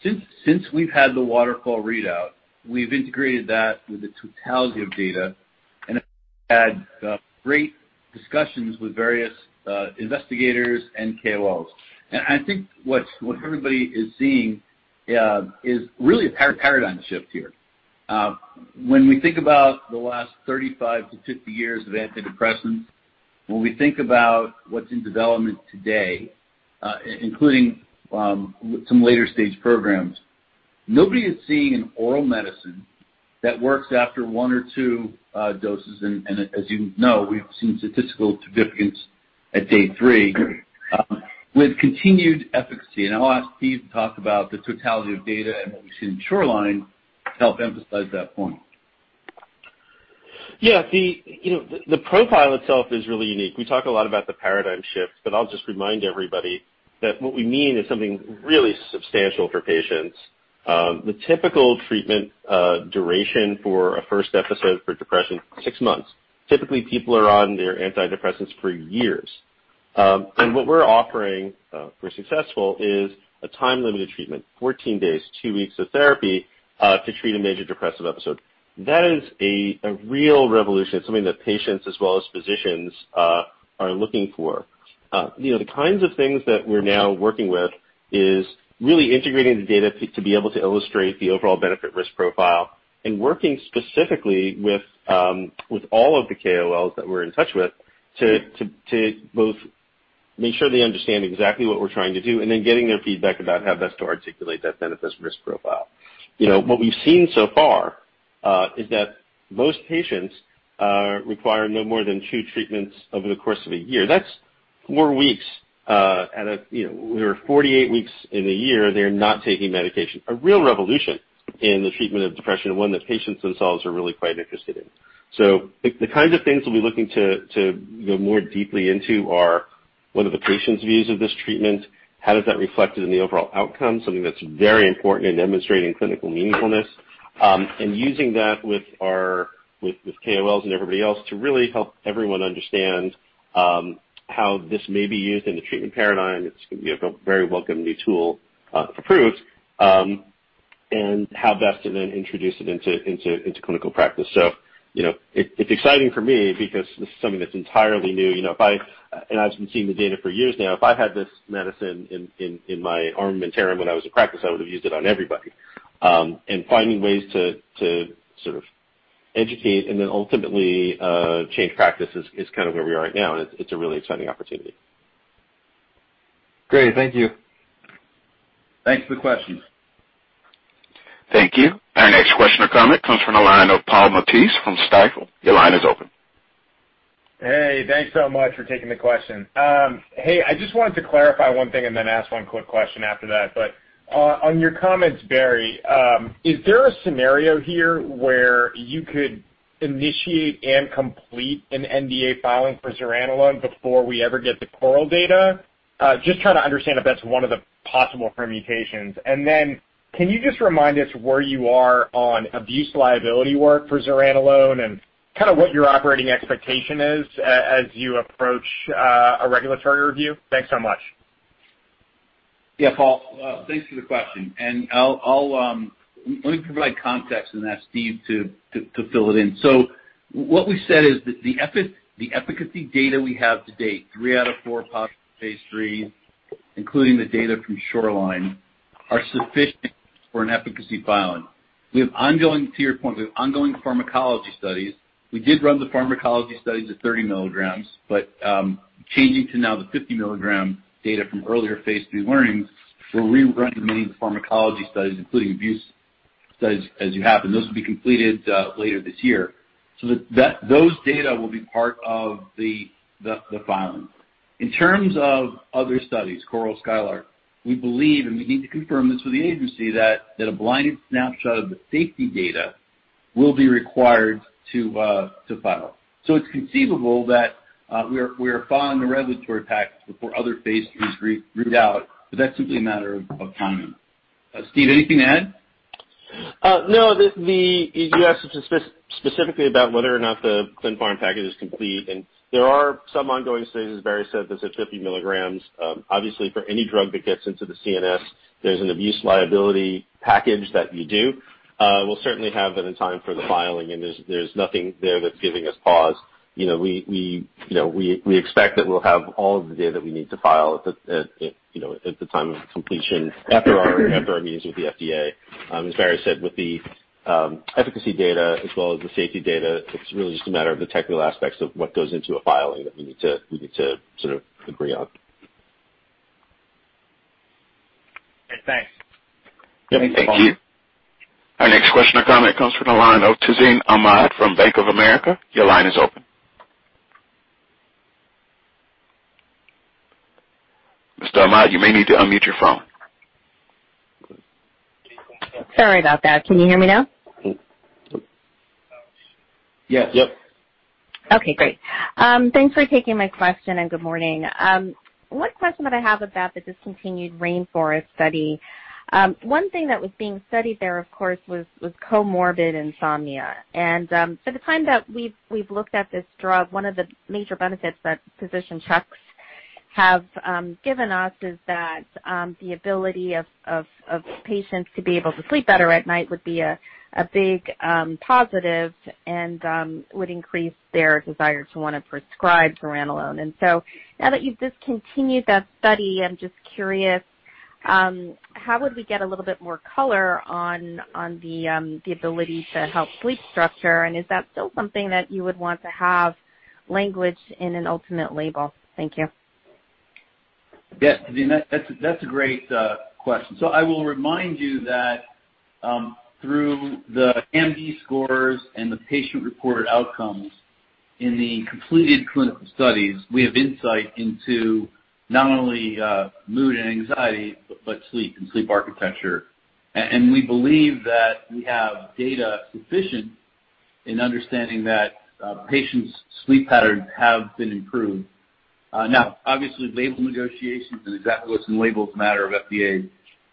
Since we've had the WATERFALL readout, we've integrated that with the totality of data and have had great discussions with various investigators and KOLs. I think what everybody is seeing is really a paradigm shift here. When we think about the last 35 to 50 years of antidepressants, when we think about what's in development today, including some later stage programs, nobody is seeing an oral medicine that works after one or two doses. As you know, we've seen statistical significance at day three with continued efficacy. I'll ask Steve to talk about the totality of data and what we see in SHORELINE to help emphasize that point. Yeah. The profile itself is really unique. We talk a lot about the paradigm shift, but I'll just remind everybody that what we mean is something really substantial for patients. The typical treatment duration for a first episode for depression, six months. Typically, people are on their antidepressants for years. What we're offering, if we're successful, is a time-limited treatment, 14 days, two weeks of therapy, to treat a major depressive episode. That is a real revolution. It's something that patients as well as physicians are looking for. The kinds of things that we're now working with is really integrating the data to be able to illustrate the overall benefit risk profile and working specifically with all of the KOLs that we're in touch with to both make sure they understand exactly what we're trying to do, and then getting their feedback about how best to articulate that benefit risk profile. What we've seen so far is that most patients require no more than two treatments over the course of a year. That's four weeks. There are 48 weeks in a year, they're not taking medication. A real revolution in the treatment of depression, one that patients themselves are really quite interested in. The kinds of things we'll be looking to go more deeply into are what are the patient's views of this treatment? How does that reflect in the overall outcome? Something that's very important in demonstrating clinical meaningfulness. Using that with KOLs and everybody else to really help everyone understand how this may be used in the treatment paradigm, it's going to be a very welcome new tool if approved, and how best to then introduce it into clinical practice. It's exciting for me because this is something that's entirely new. I've been seeing the data for years now. If I had this medicine in my armamentarium when I was in practice, I would have used it on everybody. Finding ways to sort of educate and then ultimately change practice is kind of where we are right now, and it's a really exciting opportunity. Great. Thank you. Thanks for the questions. Thank you. Our next question or comment comes from the line of Paul Matteis from Stifel. Your line is open. Hey, thanks so much for taking the question. Hey, I just wanted to clarify one thing and then ask one quick question after that. On your comments, Barry, is there a scenario here where you could initiate and complete an NDA filing for zuranolone before we ever get the CORAL data? Just trying to understand if that's one of the possible permutations. Can you just remind us where you are on abuse liability work for zuranolone and kind of what your operating expectation is as you approach a regulatory review? Thanks so much. Yeah, Paul. Thanks for the question, and let me provide context and ask Steve to fill it in. What we've said is that the efficacy data we have to date, three out of four positive phase IIIs, including the data from SHORELINE, are sufficient for an efficacy filing. To your point, we have ongoing pharmacology studies. We did run the pharmacology studies at 30 mg, but changing to now the 50 mg data from earlier phase III learnings, we're rerunning many of the pharmacology studies, including abuse studies, as you have, and those will be completed later this year. Those data will be part of the filing. In terms of other studies, CORAL, SKYLARK, we believe, and we need to confirm this with the agency, that a blinded snapshot of the safety data will be required to file. It's conceivable that we are filing the regulatory package before other phase III read out, but that's simply a matter of timing. Steve, anything to add? No. You asked specifically about whether or not the clin pharm package is complete, and there are some ongoing studies, as Barry said, that is at 50 mg. Obviously, for any drug that gets into the CNS, there is an abuse liability package that you do. We will certainly have that in time for the filing, and there is nothing there that is giving us pause. We expect that we will have all of the data that we need to file at the time of completion after our meetings with the FDA. As Barry said, with the efficacy data as well as the safety data, it is really just a matter of the technical aspects of what goes into a filing that we need to sort of agree on. Okay. Thanks. Yeah. Thank you, Paul. Thank you. Our next question or comment comes from the line of Tazeen Ahmad from Bank of America. Your line is open. Mr. Ahmad, you may need to unmute your phone. Sorry about that. Can you hear me now? Yes. Yep. Okay, great. Thanks for taking my question. Good morning. One question that I have about the discontinued RAINFOREST study. One thing that was being studied there, of course, was comorbid insomnia. By the time that we've looked at this drug, one of the major benefits that physician checks have given us is that the ability of patients to be able to sleep better at night would be a big positive and would increase their desire to want to prescribe zuranolone. Now that you've discontinued that study, I'm just curious, how would we get a little bit more color on the ability to help sleep structure, and is that still something that you would want to have languaged in an ultimate label? Thank you. Yeah. Tazeen, that's a great question. I will remind you that through the MDD scores and the patient reported outcomes in the completed clinical studies, we have insight into not only mood and anxiety, but sleep and sleep architecture. We believe that we have data sufficient in understanding that patients' sleep patterns have been improved. Now, obviously, label negotiations and exactly what's in labels matter of FDA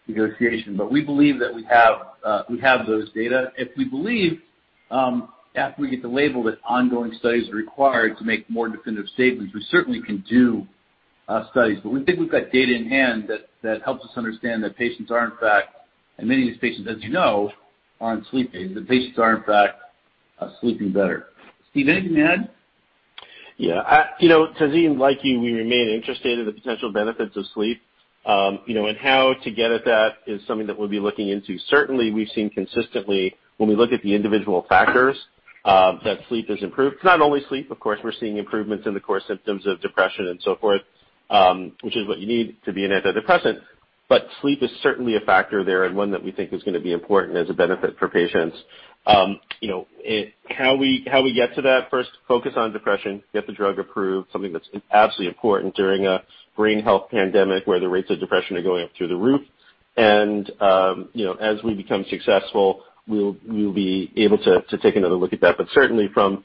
negotiation. We believe that we have those data. If we believe, after we get the label, that ongoing studies are required to make more definitive statements, we certainly can do studies. We think we've got data in hand that helps us understand that patients are, in fact, and many of these patients, as you know, are on sleep aids, that patients are in fact sleeping better. Steve, anything to add? Tazeen, like you, we remain interested in the potential benefits of sleep. How to get at that is something that we'll be looking into. Certainly, we've seen consistently when we look at the individual factors, that sleep is improved. It's not only sleep, of course. We're seeing improvements in the core symptoms of depression and so forth, which is what you need to be an antidepressant. Sleep is certainly a factor there, and one that we think is going to be important as a benefit for patients. How we get to that? First, focus on depression, get the drug approved, something that's absolutely important during a brain health pandemic where the rates of depression are going up through the roof. As we become successful, we'll be able to take another look at that. Certainly from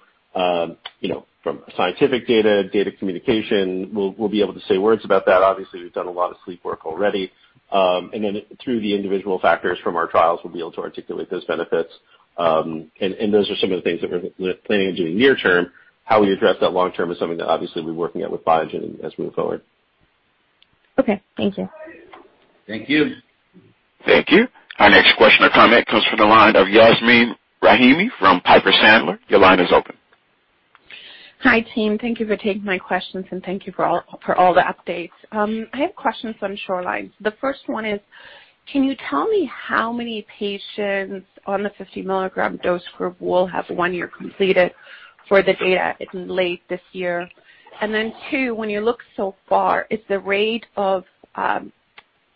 scientific data communication, we'll be able to say words about that. Obviously, we've done a lot of sleep work already. Then through the individual factors from our trials, we'll be able to articulate those benefits. Those are some of the things that we're planning on doing near term. How we address that long term is something that obviously we'll be working at with Biogen as we move forward. Okay. Thank you. Thank you. Thank you. Our next question or comment comes from the line of Yasmeen Rahimi from Piper Sandler. Your line is open. Hi, team. Thank you for taking my questions and thank you for all the updates. I have questions on SHORELINE. The first one is, can you tell me how many patients on the 50 mg dose group will have one year completed for the data in late this year? Then two, when you look so far, is the rate of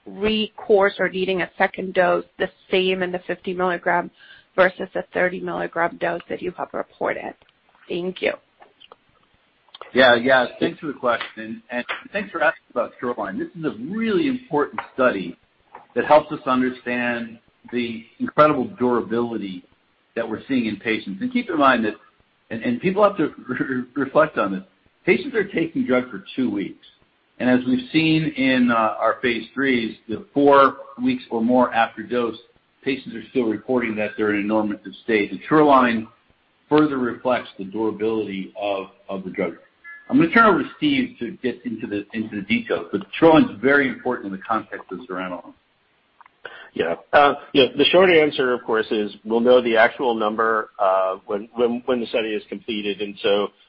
recourse or needing a second dose the same in the 50 mg versus the 30 mg dose that you have reported? Thank you. Yasmeen, thanks for the question and thanks for asking about SHORELINE. This is a really important study that helps us understand the incredible durability that we're seeing in patients. Keep in mind that, and people have to reflect on this. Patients are taking drug for two weeks, and as we've seen in our phase III, the four weeks or more after dose, patients are still reporting that they're in a normative state, and SHORELINE further reflects the durability of the drug. I'm going to turn it over to Steve to get into the details. SHORELINE's very important in the context of zuranolone. Yeah. The short answer, of course, is we'll know the actual number when the study is completed.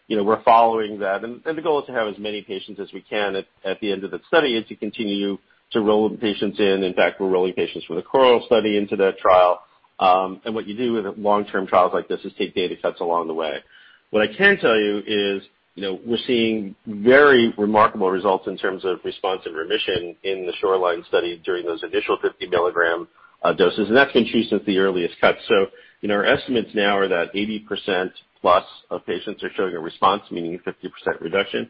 We're following that. The goal is to have as many patients as we can at the end of the study and to continue to roll patients in. In fact, we're rolling patients from the CORAL study into that trial. What you do with long-term trials like this is take data cuts along the way. What I can tell you is we're seeing very remarkable results in terms of response and remission in the SHORELINE study during those initial 50 mg doses, and that's been true since the earliest cuts. Our estimates now are that 80%+ of patients are showing a response, meaning 50% reduction,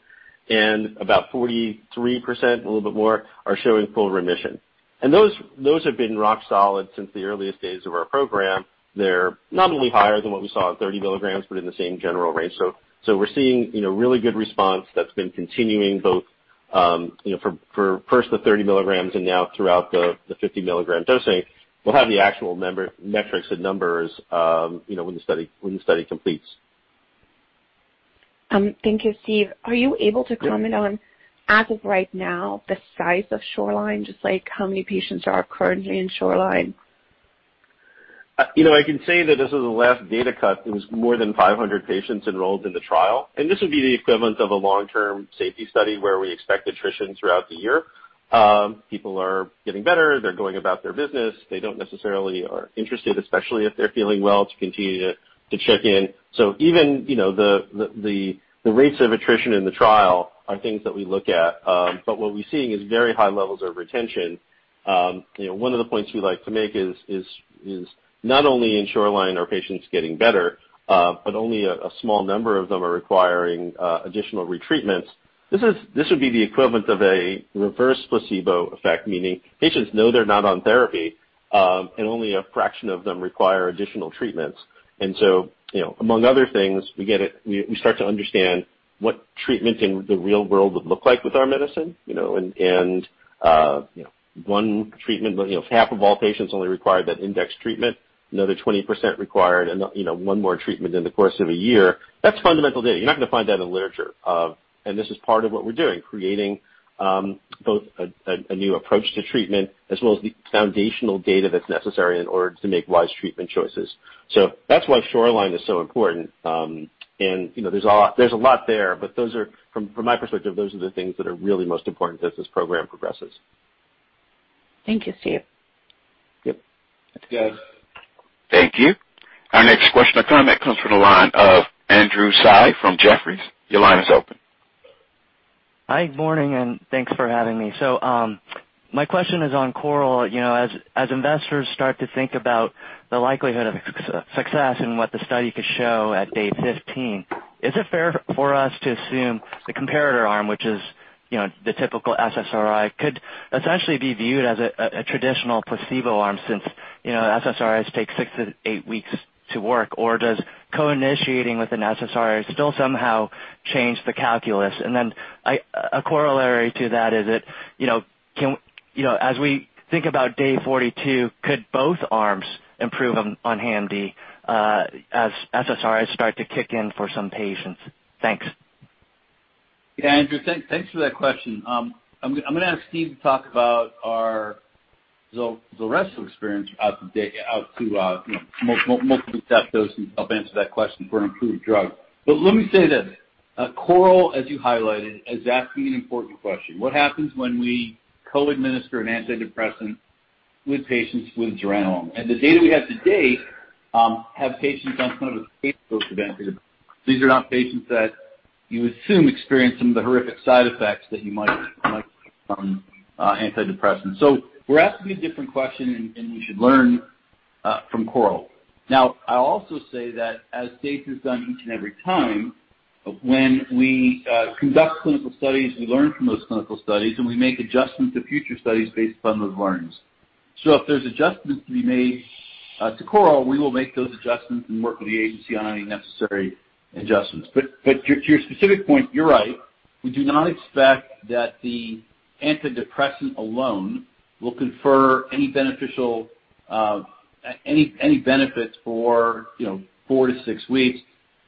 and about 43%, a little bit more, are showing full remission. Those have been rock solid since the earliest days of our program. They're not only higher than what we saw at 30 mg, but in the same general range. We're seeing really good response that's been continuing both for first the 30 mg and now throughout the 50 mg dosing. We'll have the actual metrics and numbers when the study completes. Thank you, Steve. Are you able to comment on, as of right now, the size of SHORELINE, just like how many patients are currently in SHORELINE? I can say that as of the last data cut, it was more than 500 patients enrolled in the trial, and this would be the equivalent of a long-term safety study where we expect attrition throughout the year. People are getting better. They're going about their business. They don't necessarily are interested, especially if they're feeling well, to continue to check in. Even the rates of attrition in the trial are things that we look at. What we're seeing is very high levels of retention. One of the points we like to make is not only in SHORELINE are patients getting better, but only a small number of them are requiring additional retreatments. This would be the equivalent of a reverse placebo effect, meaning patients know they're not on therapy, and only a fraction of them require additional treatments. Among other things, we start to understand what treatment in the real world would look like with our medicine. One treatment, if half of all patients only required that index treatment, another 20% required one more treatment in the course of a year, that's fundamental data. You're not going to find that in the literature. This is part of what we're doing, creating both a new approach to treatment as well as the foundational data that's necessary in order to make wise treatment choices. That's why SHORELINE is so important. There's a lot there, but from my perspective, those are the things that are really most important as this program progresses. Thank you, Steve. Yep. Thanks. Thank you. Our next question or comment comes from the line of Andrew Tsai from Jefferies. Your line is open. Hi, morning, and thanks for having me. My question is on CORAL. As investors start to think about the likelihood of success and what the study could show at day 15, is it fair for us to assume the comparator arm, which is the typical SSRI, could essentially be viewed as a traditional placebo arm since SSRIs take six to eight weeks to work? Does co-initiating with an SSRI still somehow change the calculus? A corollary to that is that, as we think about day 42, could both arms improve on HAM-D as SSRIs start to kick in for some patients? Thanks. Yeah, Andrew, thanks for that question. I'm going to ask Steve to talk about our ZULRESSO experience out to multiple-dose and help answer that question for an approved drug. Let me say this. CORAL, as you highlighted, is asking an important question. What happens when we co-administer an antidepressant with patients with zuranolone? The data we have to date have patients on some of the benefits. These are not patients that you assume experience some of the horrific side effects that you might on antidepressants. We're asking a different question, and we should learn from CORAL. I also say that as Sage has done each and every time, when we conduct clinical studies, we learn from those clinical studies, and we make adjustments to future studies based upon those learnings. If there's adjustments to be made to CORAL, we will make those adjustments and work with the agency on any necessary adjustments. To your specific point, you're right. We do not expect that the antidepressant alone will confer any benefits for four to six weeks.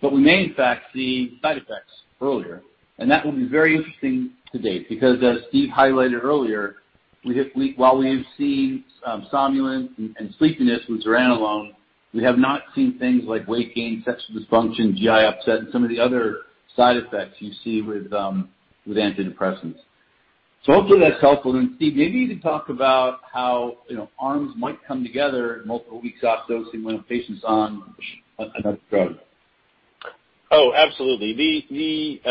We may, in fact, see side effects earlier. That will be very interesting to date because, as Steve highlighted earlier, while we have seen somnolence and sleepiness with zuranolone, we have not seen things like weight gain, sexual dysfunction, GI upset, and some of the other side effects you see with antidepressants. Hopefully that's helpful. Steve, maybe you can talk about how arms might come together multiple weeks off dosing when a patient's on another drug. Absolutely. We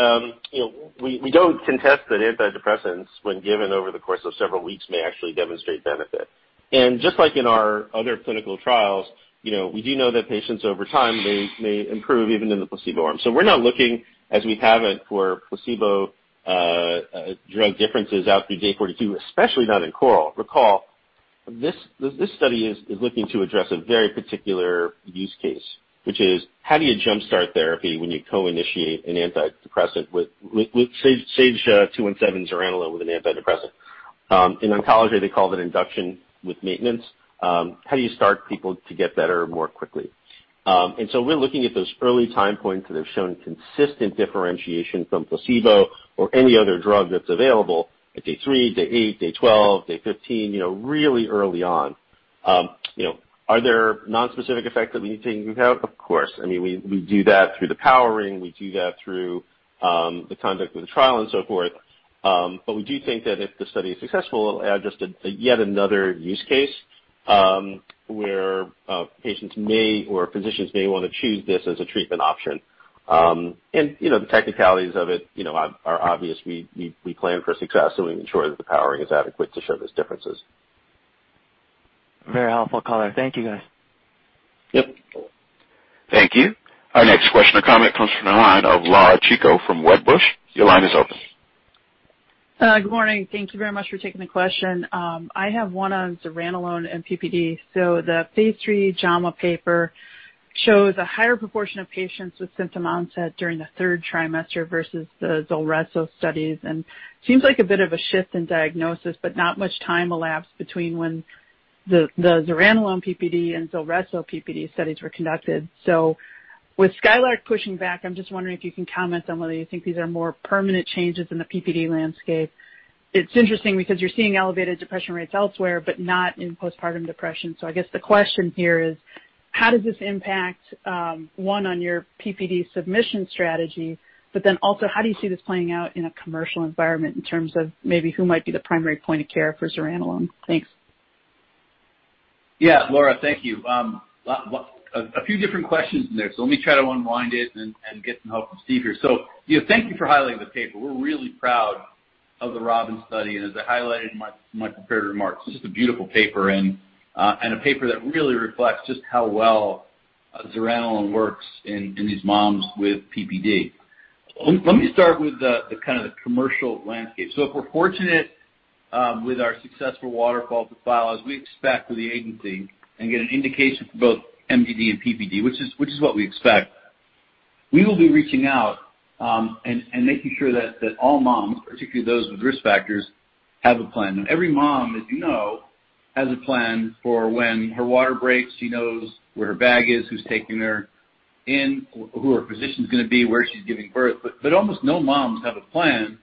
don't contest that antidepressants, when given over the course of several weeks, may actually demonstrate benefit. Just like in our other clinical trials, we do know that patients over time may improve even in the placebo arm. We're not looking, as we haven't for placebo drug differences out through day 42, especially not in CORAL. Recall, this study is looking to address a very particular use case, which is how do you jumpstart therapy when you co-initiate an antidepressant with, say, SAGE-217 zuranolone with an antidepressant. In oncology, they call that induction with maintenance. How do you start people to get better more quickly? We're looking at those early time points that have shown consistent differentiation from placebo or any other drug that's available at day three, day eight, day 12, day 15, really early on. Are there non-specific effects that we need to take into account? Of course. I mean, we do that through the powering, we do that through the conduct of the trial and so forth. We do think that if the study is successful, it'll add just yet another use case where patients may or physicians may want to choose this as a treatment option. The technicalities of it are obvious. We plan for success, so we ensure that the powering is adequate to show those differences. Very helpful color. Thank you, guys. Yep. Thank you. Our next question or comment comes from the line of Laura Chico from Wedbush. Your line is open. Good morning. Thank you very much for taking the question. I have one on zuranolone and PPD. The phase III JAMA paper shows a higher proportion of patients with symptom onset during the third trimester versus the ZULRESSO studies. Seems like a bit of a shift in diagnosis, but not much time elapsed between when the zuranolone PPD and ZULRESSO PPD studies were conducted. With SKYLARK pushing back, I'm just wondering if you can comment on whether you think these are more permanent changes in the PPD landscape. It's interesting because you're seeing elevated depression rates elsewhere but not in postpartum depression. I guess the question here is, how does this impact, one, on your PPD submission strategy, but then also, how do you see this playing out in a commercial environment in terms of maybe who might be the primary point of care for zuranolone? Thanks. Yeah. Laura, thank you. A few different questions in there, so let me try to unwind it and get some help from Steve here. Thank you for highlighting the paper. We're really proud of the ROBIN study, and as I highlighted in my prepared remarks, it's just a beautiful paper and a paper that really reflects just how well zuranolone works in these moms with PPD. Let me start with the commercial landscape. If we're fortunate with our successful WATERFALL to file as we expect with the agency and get an indication for both MDD and PPD, which is what we expect, we will be reaching out and making sure that all moms, particularly those with risk factors, have a plan. Now, every mom, as you know, has a plan for when her water breaks. She knows where her bag is, who's taking her in, who her physician's going to be, where she's giving birth. Almost no moms have a plan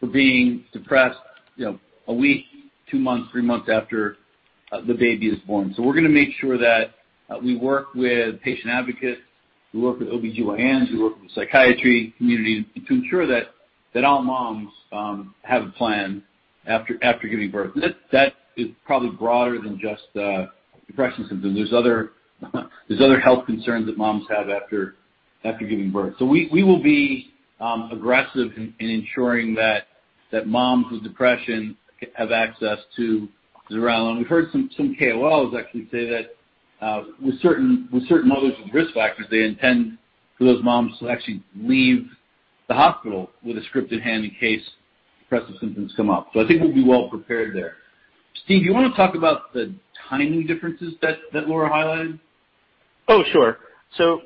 for being depressed a week, two months, three months after the baby is born. We're going to make sure that we work with patient advocates, we work with OBGYNs, we work with the psychiatry community to ensure that all moms have a plan after giving birth. That is probably broader than just depression symptoms. There's other health concerns that moms have after giving birth. We will be aggressive in ensuring that moms with depression have access to zuranolone. We've heard some KOLs actually say that with certain mothers with risk factors, they intend for those moms to actually leave the hospital with a script in hand in case depressive symptoms come up. I think we'll be well prepared there. Steve, do you want to talk about the timing differences that Laura highlighted? Sure.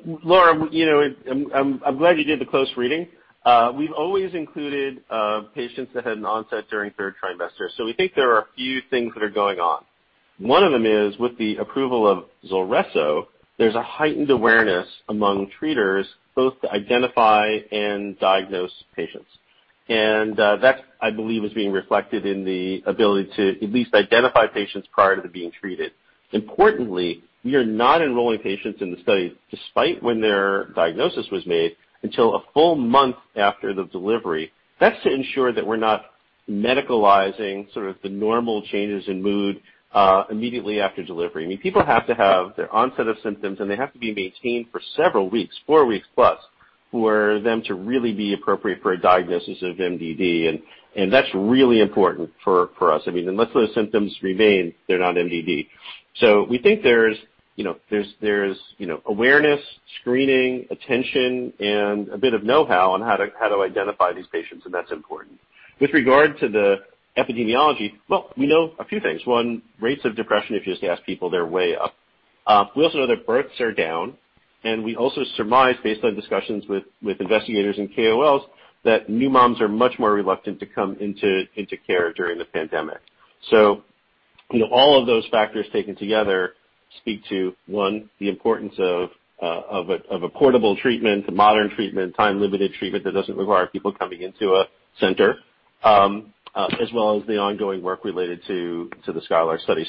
Laura, I'm glad you did the close reading. We've always included patients that had an onset during third trimester. We think there are a few things that are going on. One of them is with the approval of ZULRESSO, there's a heightened awareness among treaters both to identify and diagnose patients. That, I believe, is being reflected in the ability to at least identify patients prior to being treated. Importantly, we are not enrolling patients in the study despite when their diagnosis was made until a full month after the delivery. That's to ensure that we're not medicalizing sort of the normal changes in mood immediately after delivery. People have to have their onset of symptoms, and they have to be maintained for several weeks, four weeks plus, for them to really be appropriate for a diagnosis of MDD, that's really important for us. Unless those symptoms remain, they're not MDD. We think there's awareness, screening, attention, and a bit of know-how on how to identify these patients, and that's important. With regard to the epidemiology, we know a few things. One, rates of depression, if you just ask people, they're way up. We also know that births are down, and we also surmise, based on discussions with investigators and KOLs, that new moms are much more reluctant to come into care during the pandemic. All of those factors taken together speak to, one, the importance of a portable treatment, a modern treatment, time-limited treatment that doesn't require people coming into a center, as well as the ongoing work related to the SCHOLAR study.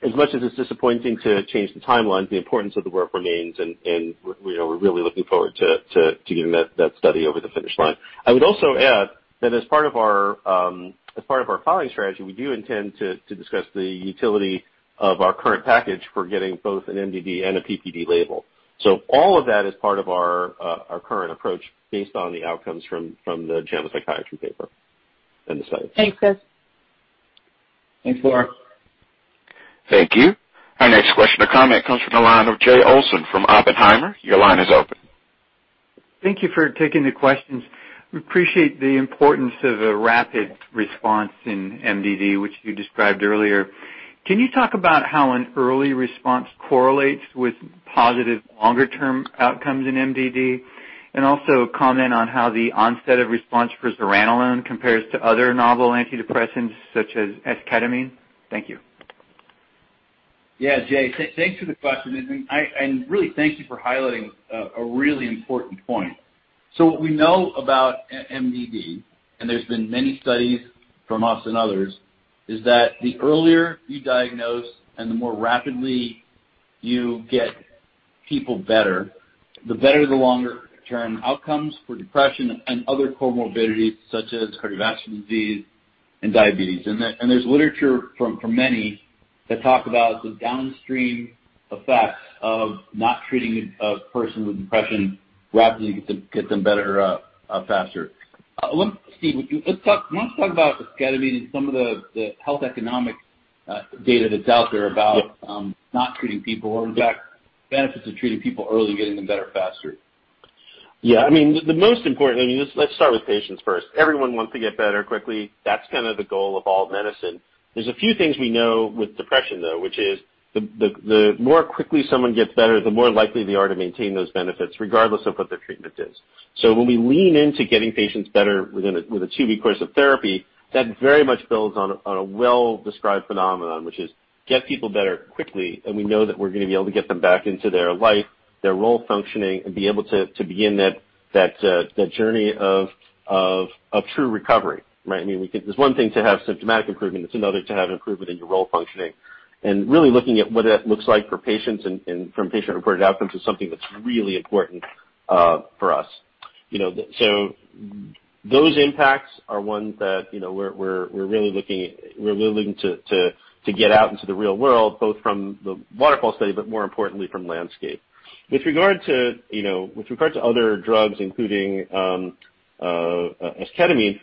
As much as it's disappointing to change the timeline, the importance of the work remains, and we're really looking forward to getting that study over the finish line. I would also add that as part of our filing strategy, we do intend to discuss the utility of our current package for getting both an MDD and a PPD label. All of that is part of our current approach based on the outcomes from the "JAMA Psychiatry" paper and the science. Thanks guys. Thanks, Laura. Thank you. Our next question or comment comes from the line of Jay Olson from Oppenheimer. Your line is open. Thank you for taking the questions. We appreciate the importance of a rapid response in MDD, which you described earlier. Can you talk about how an early response correlates with positive longer-term outcomes in MDD? Also comment on how the onset of response for zuranolone compares to other novel antidepressants, such as esketamine. Thank you. Yeah, Jay, thanks for the question. Really, thank you for highlighting a really important point. What we know about MDD, and there's been many studies from us and others, is that the earlier you diagnose and the more rapidly you get people better, the better the longer-term outcomes for depression and other comorbidities such as cardiovascular disease and diabetes. There's literature from many that talk about the downstream effects of not treating a person with depression rapidly to get them better faster. Steve, let's talk about esketamine and some of the health economic data that's out there. Yeah not treating people, or in fact, benefits of treating people early and getting them better faster. Let's start with patients first. Everyone wants to get better quickly. That's kind of the goal of all medicine. There's a few things we know with depression, though, which is the more quickly someone gets better, the more likely they are to maintain those benefits, regardless of what their treatment is. When we lean into getting patients better with a two-week course of therapy, that very much builds on a well-described phenomenon, which is get people better quickly, and we know that we're going to be able to get them back into their life, their role functioning, and be able to begin that journey of true recovery, right. It's one thing to have symptomatic improvement. It's another to have improvement in your role functioning. Really looking at what that looks like for patients and from patient-reported outcomes is something that's really important for us. Those impacts are ones that we're really looking to get out into the real world, both from the WATERFALL study, but more importantly, from LANDSCAPE. With regard to other drugs, including esketamine,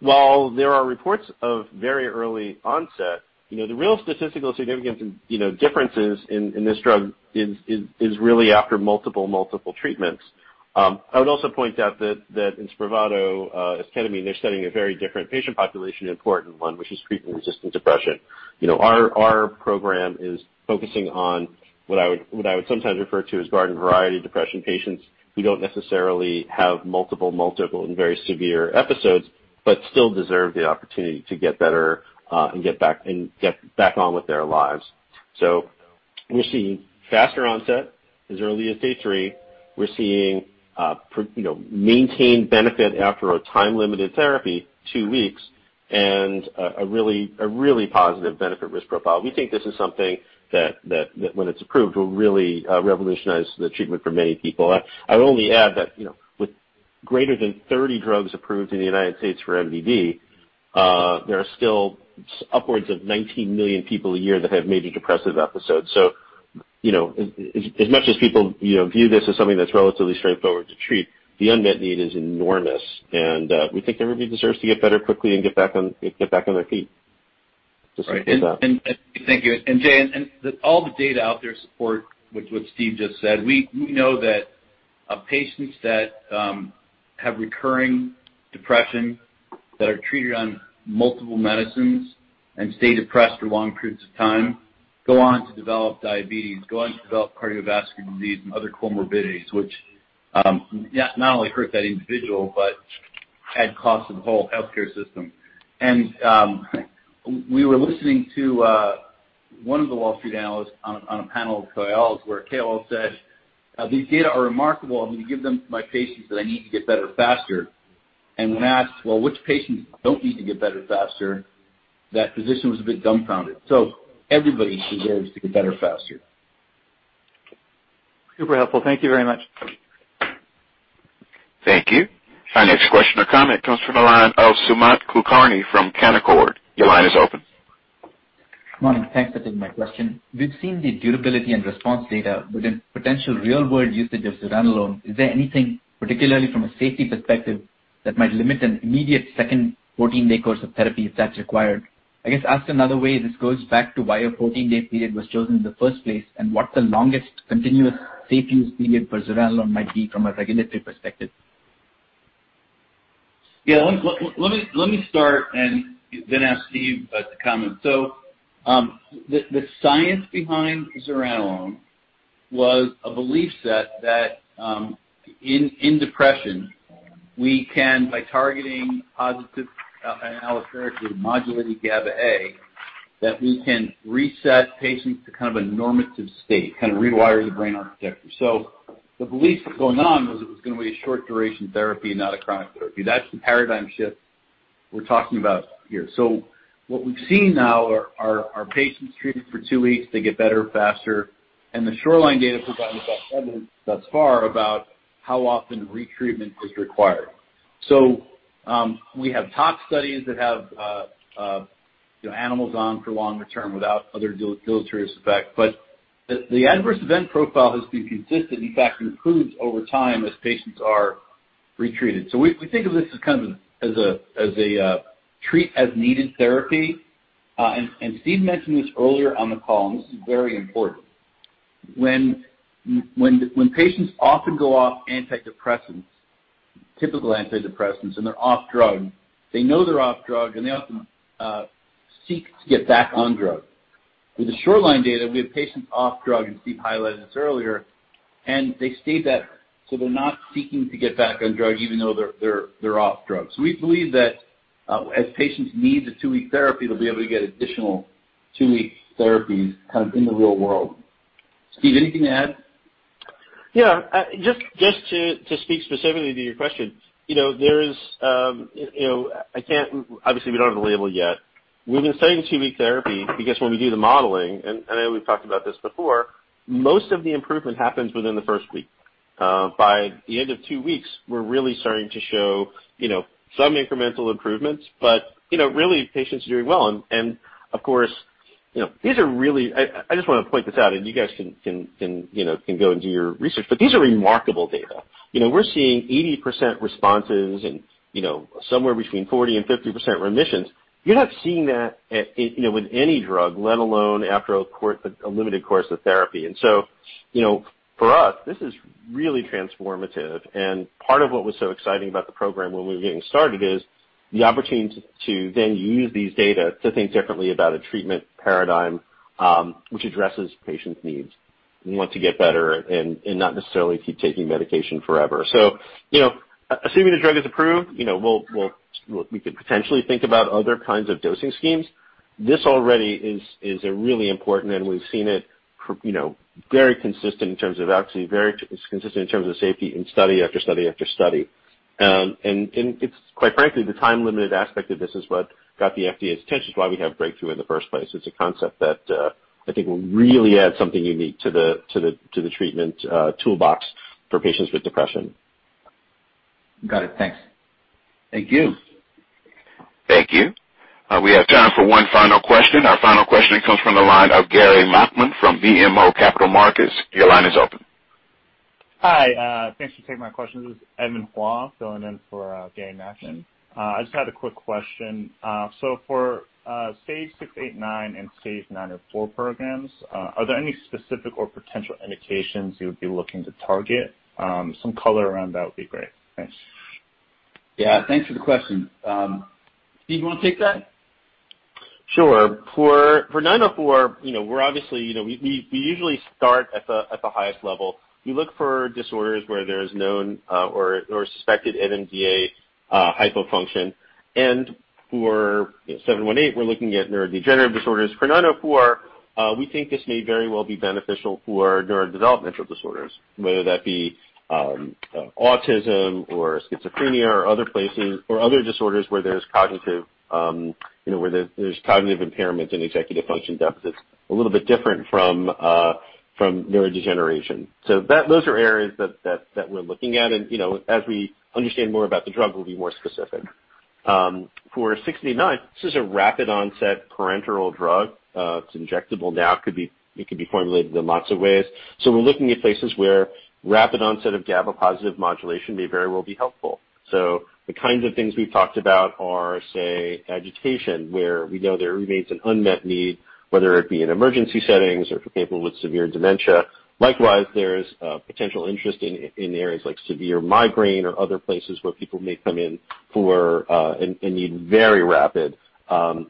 while there are reports of very early onset, the real statistical significance in differences in this drug is really after multiple treatments. I would also point out that in SPRAVATO esketamine, they're studying a very different patient population, an important one, which is treatment-resistant depression. Our program is focusing on what I would sometimes refer to as garden variety depression patients who don't necessarily have multiple and very severe episodes, but still deserve the opportunity to get better and get back on with their lives. We're seeing faster onset as early as day three. We're seeing maintained benefit after a time-limited therapy, two weeks, and a really positive benefit risk profile. We think this is something that when it's approved, will really revolutionize the treatment for many people. I would only add that with greater than 30 drugs approved in the U.S. for MDD, there are still upwards of 19 million people a year that have major depressive episodes. As much as people view this as something that's relatively straightforward to treat, the unmet need is enormous, and we think everybody deserves to get better quickly and get back on their feet. Right. Thank you. Jay, all the data out there support what Steve just said. We know that patients that have recurring depression, that are treated on multiple medicines and stay depressed for long periods of time, go on to develop diabetes, go on to develop cardiovascular disease and other comorbidities, which not only hurt that individual, but add cost to the whole healthcare system. We were listening to one of the Wall Street analysts on a panel of KOLs where a KOL said, "These data are remarkable. I'm going to give them to my patients that need to get better faster." When asked, "Well, which patients don't need to get better faster?" That physician was a bit dumbfounded. Everybody deserves to get better faster. Super helpful. Thank you very much. Thank you. Our next question or comment comes from the line of Sumant Kulkarni from Canaccord. Your line is open. Morning. Thanks for taking my question. We've seen the durability and response data within potential real-world usage of zuranolone. Is there anything, particularly from a safety perspective, that might limit an immediate second 14-day course of therapy if that's required? I guess, asked another way, this goes back to why a 14-day period was chosen in the first place, and what the longest continuous safe use period for zuranolone might be from a regulatory perspective. Yeah. Let me start and then ask Steve to comment. The science behind zuranolone was a belief set that in depression we can, by targeting positive allosterically modulated GABA A, that we can reset patients to kind of a normative state, kind of rewire the brain architecture. The belief going on was it was going to be a short duration therapy, not a chronic therapy. That's the paradigm shift we're talking about here. What we've seen now are patients treated for two weeks. They get better faster, and the SHORELINE data provides us evidence thus far about how often retreatment is required. We have top studies that have animals on for longer term without other deleterious effect. The adverse event profile has been consistent, in fact, improves over time as patients are retreated. We think of this as a treat as needed therapy. Steve mentioned this earlier on the call, this is very important. When patients often go off antidepressants, typical antidepressants, they're off drug, they know they're off drug, they often seek to get back on drug. With the SHORELINE data, we have patients off drug, Steve highlighted this earlier, they stayed that so they're not seeking to get back on drug even though they're off drug. We believe that as patients need the two-week therapy, they'll be able to get additional two-week therapies kind of in the real world. Steve, anything to add? Just to speak specifically to your question. Obviously, we don't have a label yet. We've been studying two-week therapy because when we do the modeling, and I know we've talked about this before, most of the improvement happens within the first week. By the end of two weeks, we're really starting to show some incremental improvements. Really, patients are doing well. Of course, I just want to point this out, and you guys can go and do your research, these are remarkable data. We're seeing 80% responses and somewhere between 40%-50% remissions. You're not seeing that with any drug, let alone after a limited course of therapy. For us, this is really transformative. Part of what was so exciting about the program when we were getting started is the opportunity to then use these data to think differently about a treatment paradigm which addresses patients' needs and want to get better and not necessarily keep taking medication forever. Assuming the drug is approved, we could potentially think about other kinds of dosing schemes. This already is a really important, and we've seen it very consistent in terms of efficacy, very consistent in terms of safety in study after study after study. It's quite frankly, the time limited aspect of this is what got the FDA's attention. It's why we have breakthrough in the first place. It's a concept that I think will really add something unique to the treatment toolbox for patients with depression. Got it. Thanks. Thank you. Thank you. We have time for one final question. Our final question comes from the line of Gary Nachman from BMO Capital Markets. Your line is open. Hi. Thanks for taking my question. This is Edmund Hua filling in for Gary Nachman. I just had a quick question. For SAGE-689 and SAGE-904 programs, are there any specific or potential indications you would be looking to target? Some color around that would be great. Thanks. Yeah, thanks for the question. Steve, you want to take that? Sure. For 904, we usually start at the highest level. We look for disorders where there is known or suspected NMDA hypofunction. For 718, we're looking at neurodegenerative disorders. For 904, we think this may very well be beneficial for neurodevelopmental disorders, whether that be autism or schizophrenia or other disorders where there's cognitive impairment and executive function deficits, a little bit different from neurodegeneration. Those are areas that we're looking at, and as we understand more about the drug, we'll be more specific. For 689, this is a rapid onset parenteral drug. It's injectable now. It could be formulated in lots of ways. We're looking at places where rapid onset of GABA positive modulation may very well be helpful. The kinds of things we've talked about are, say, agitation, where we know there remains an unmet need, whether it be in emergency settings or for people with severe dementia. Likewise, there is potential interest in areas like severe migraine or other places where people may come in for and need very rapid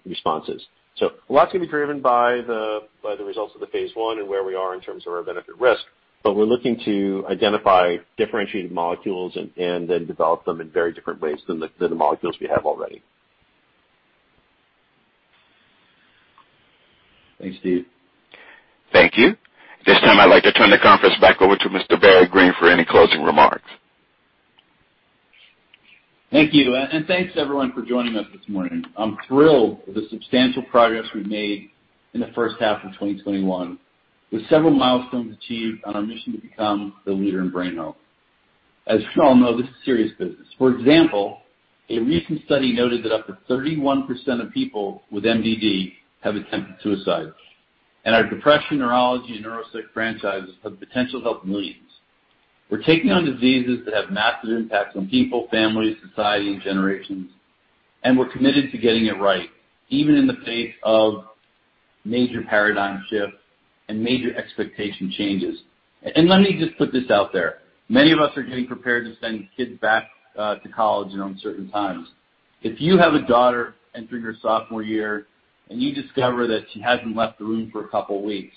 responses. A lot's going to be driven by the results of the phase I and where we are in terms of our benefit risk. We're looking to identify differentiated molecules and then develop them in very different ways than the molecules we have already. Thanks, Steve. Thank you. At this time, I'd like to turn the conference back over to Mr. Barry Greene for any closing remarks. Thank you. Thanks everyone for joining us this morning. I'm thrilled with the substantial progress we've made in the first half of 2021, with several milestones achieved on our mission to become the leader in brain health. As you all know, this is serious business. For example, a recent study noted that up to 31% of people with MDD have attempted suicide, and our depression, neurology, and neuropsych franchises have the potential to help millions. We're taking on diseases that have massive impacts on people, families, society, and generations, and we're committed to getting it right, even in the face of major paradigm shifts and major expectation changes. Let me just put this out there. Many of us are getting prepared to send kids back to college in uncertain times. If you have a daughter entering her sophomore year and you discover that she hasn't left the room for a couple of weeks,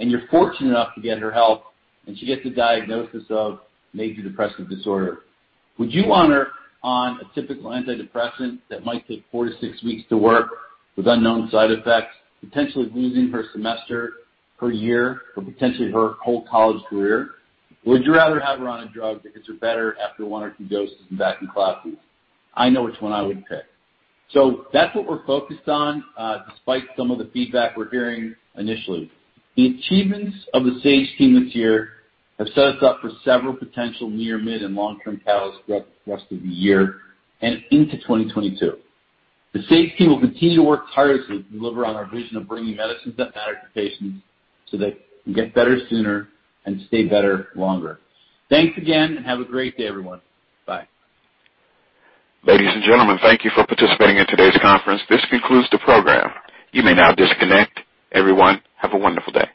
and you're fortunate enough to get her help, and she gets a diagnosis of Major Depressive Disorder, would you want her on a typical antidepressant that might take four to six weeks to work with unknown side effects, potentially losing her semester, her year, or potentially her whole college career? Would you rather have her on a drug that gets her better after one or two doses and back in classes? I know which one I would pick. That's what we're focused on, despite some of the feedback we're hearing initially. The achievements of the Sage team this year have set us up for several potential near, mid, and long-term catalysts throughout the rest of the year and into 2022. The Sage team will continue to work tirelessly to deliver on our vision of bringing medicines that matter to patients so they can get better sooner and stay better longer. Thanks again. Have a great day, everyone. Bye. Ladies and gentlemen, thank you for participating in today's conference. This concludes the program. You may now disconnect. Everyone, have a wonderful day.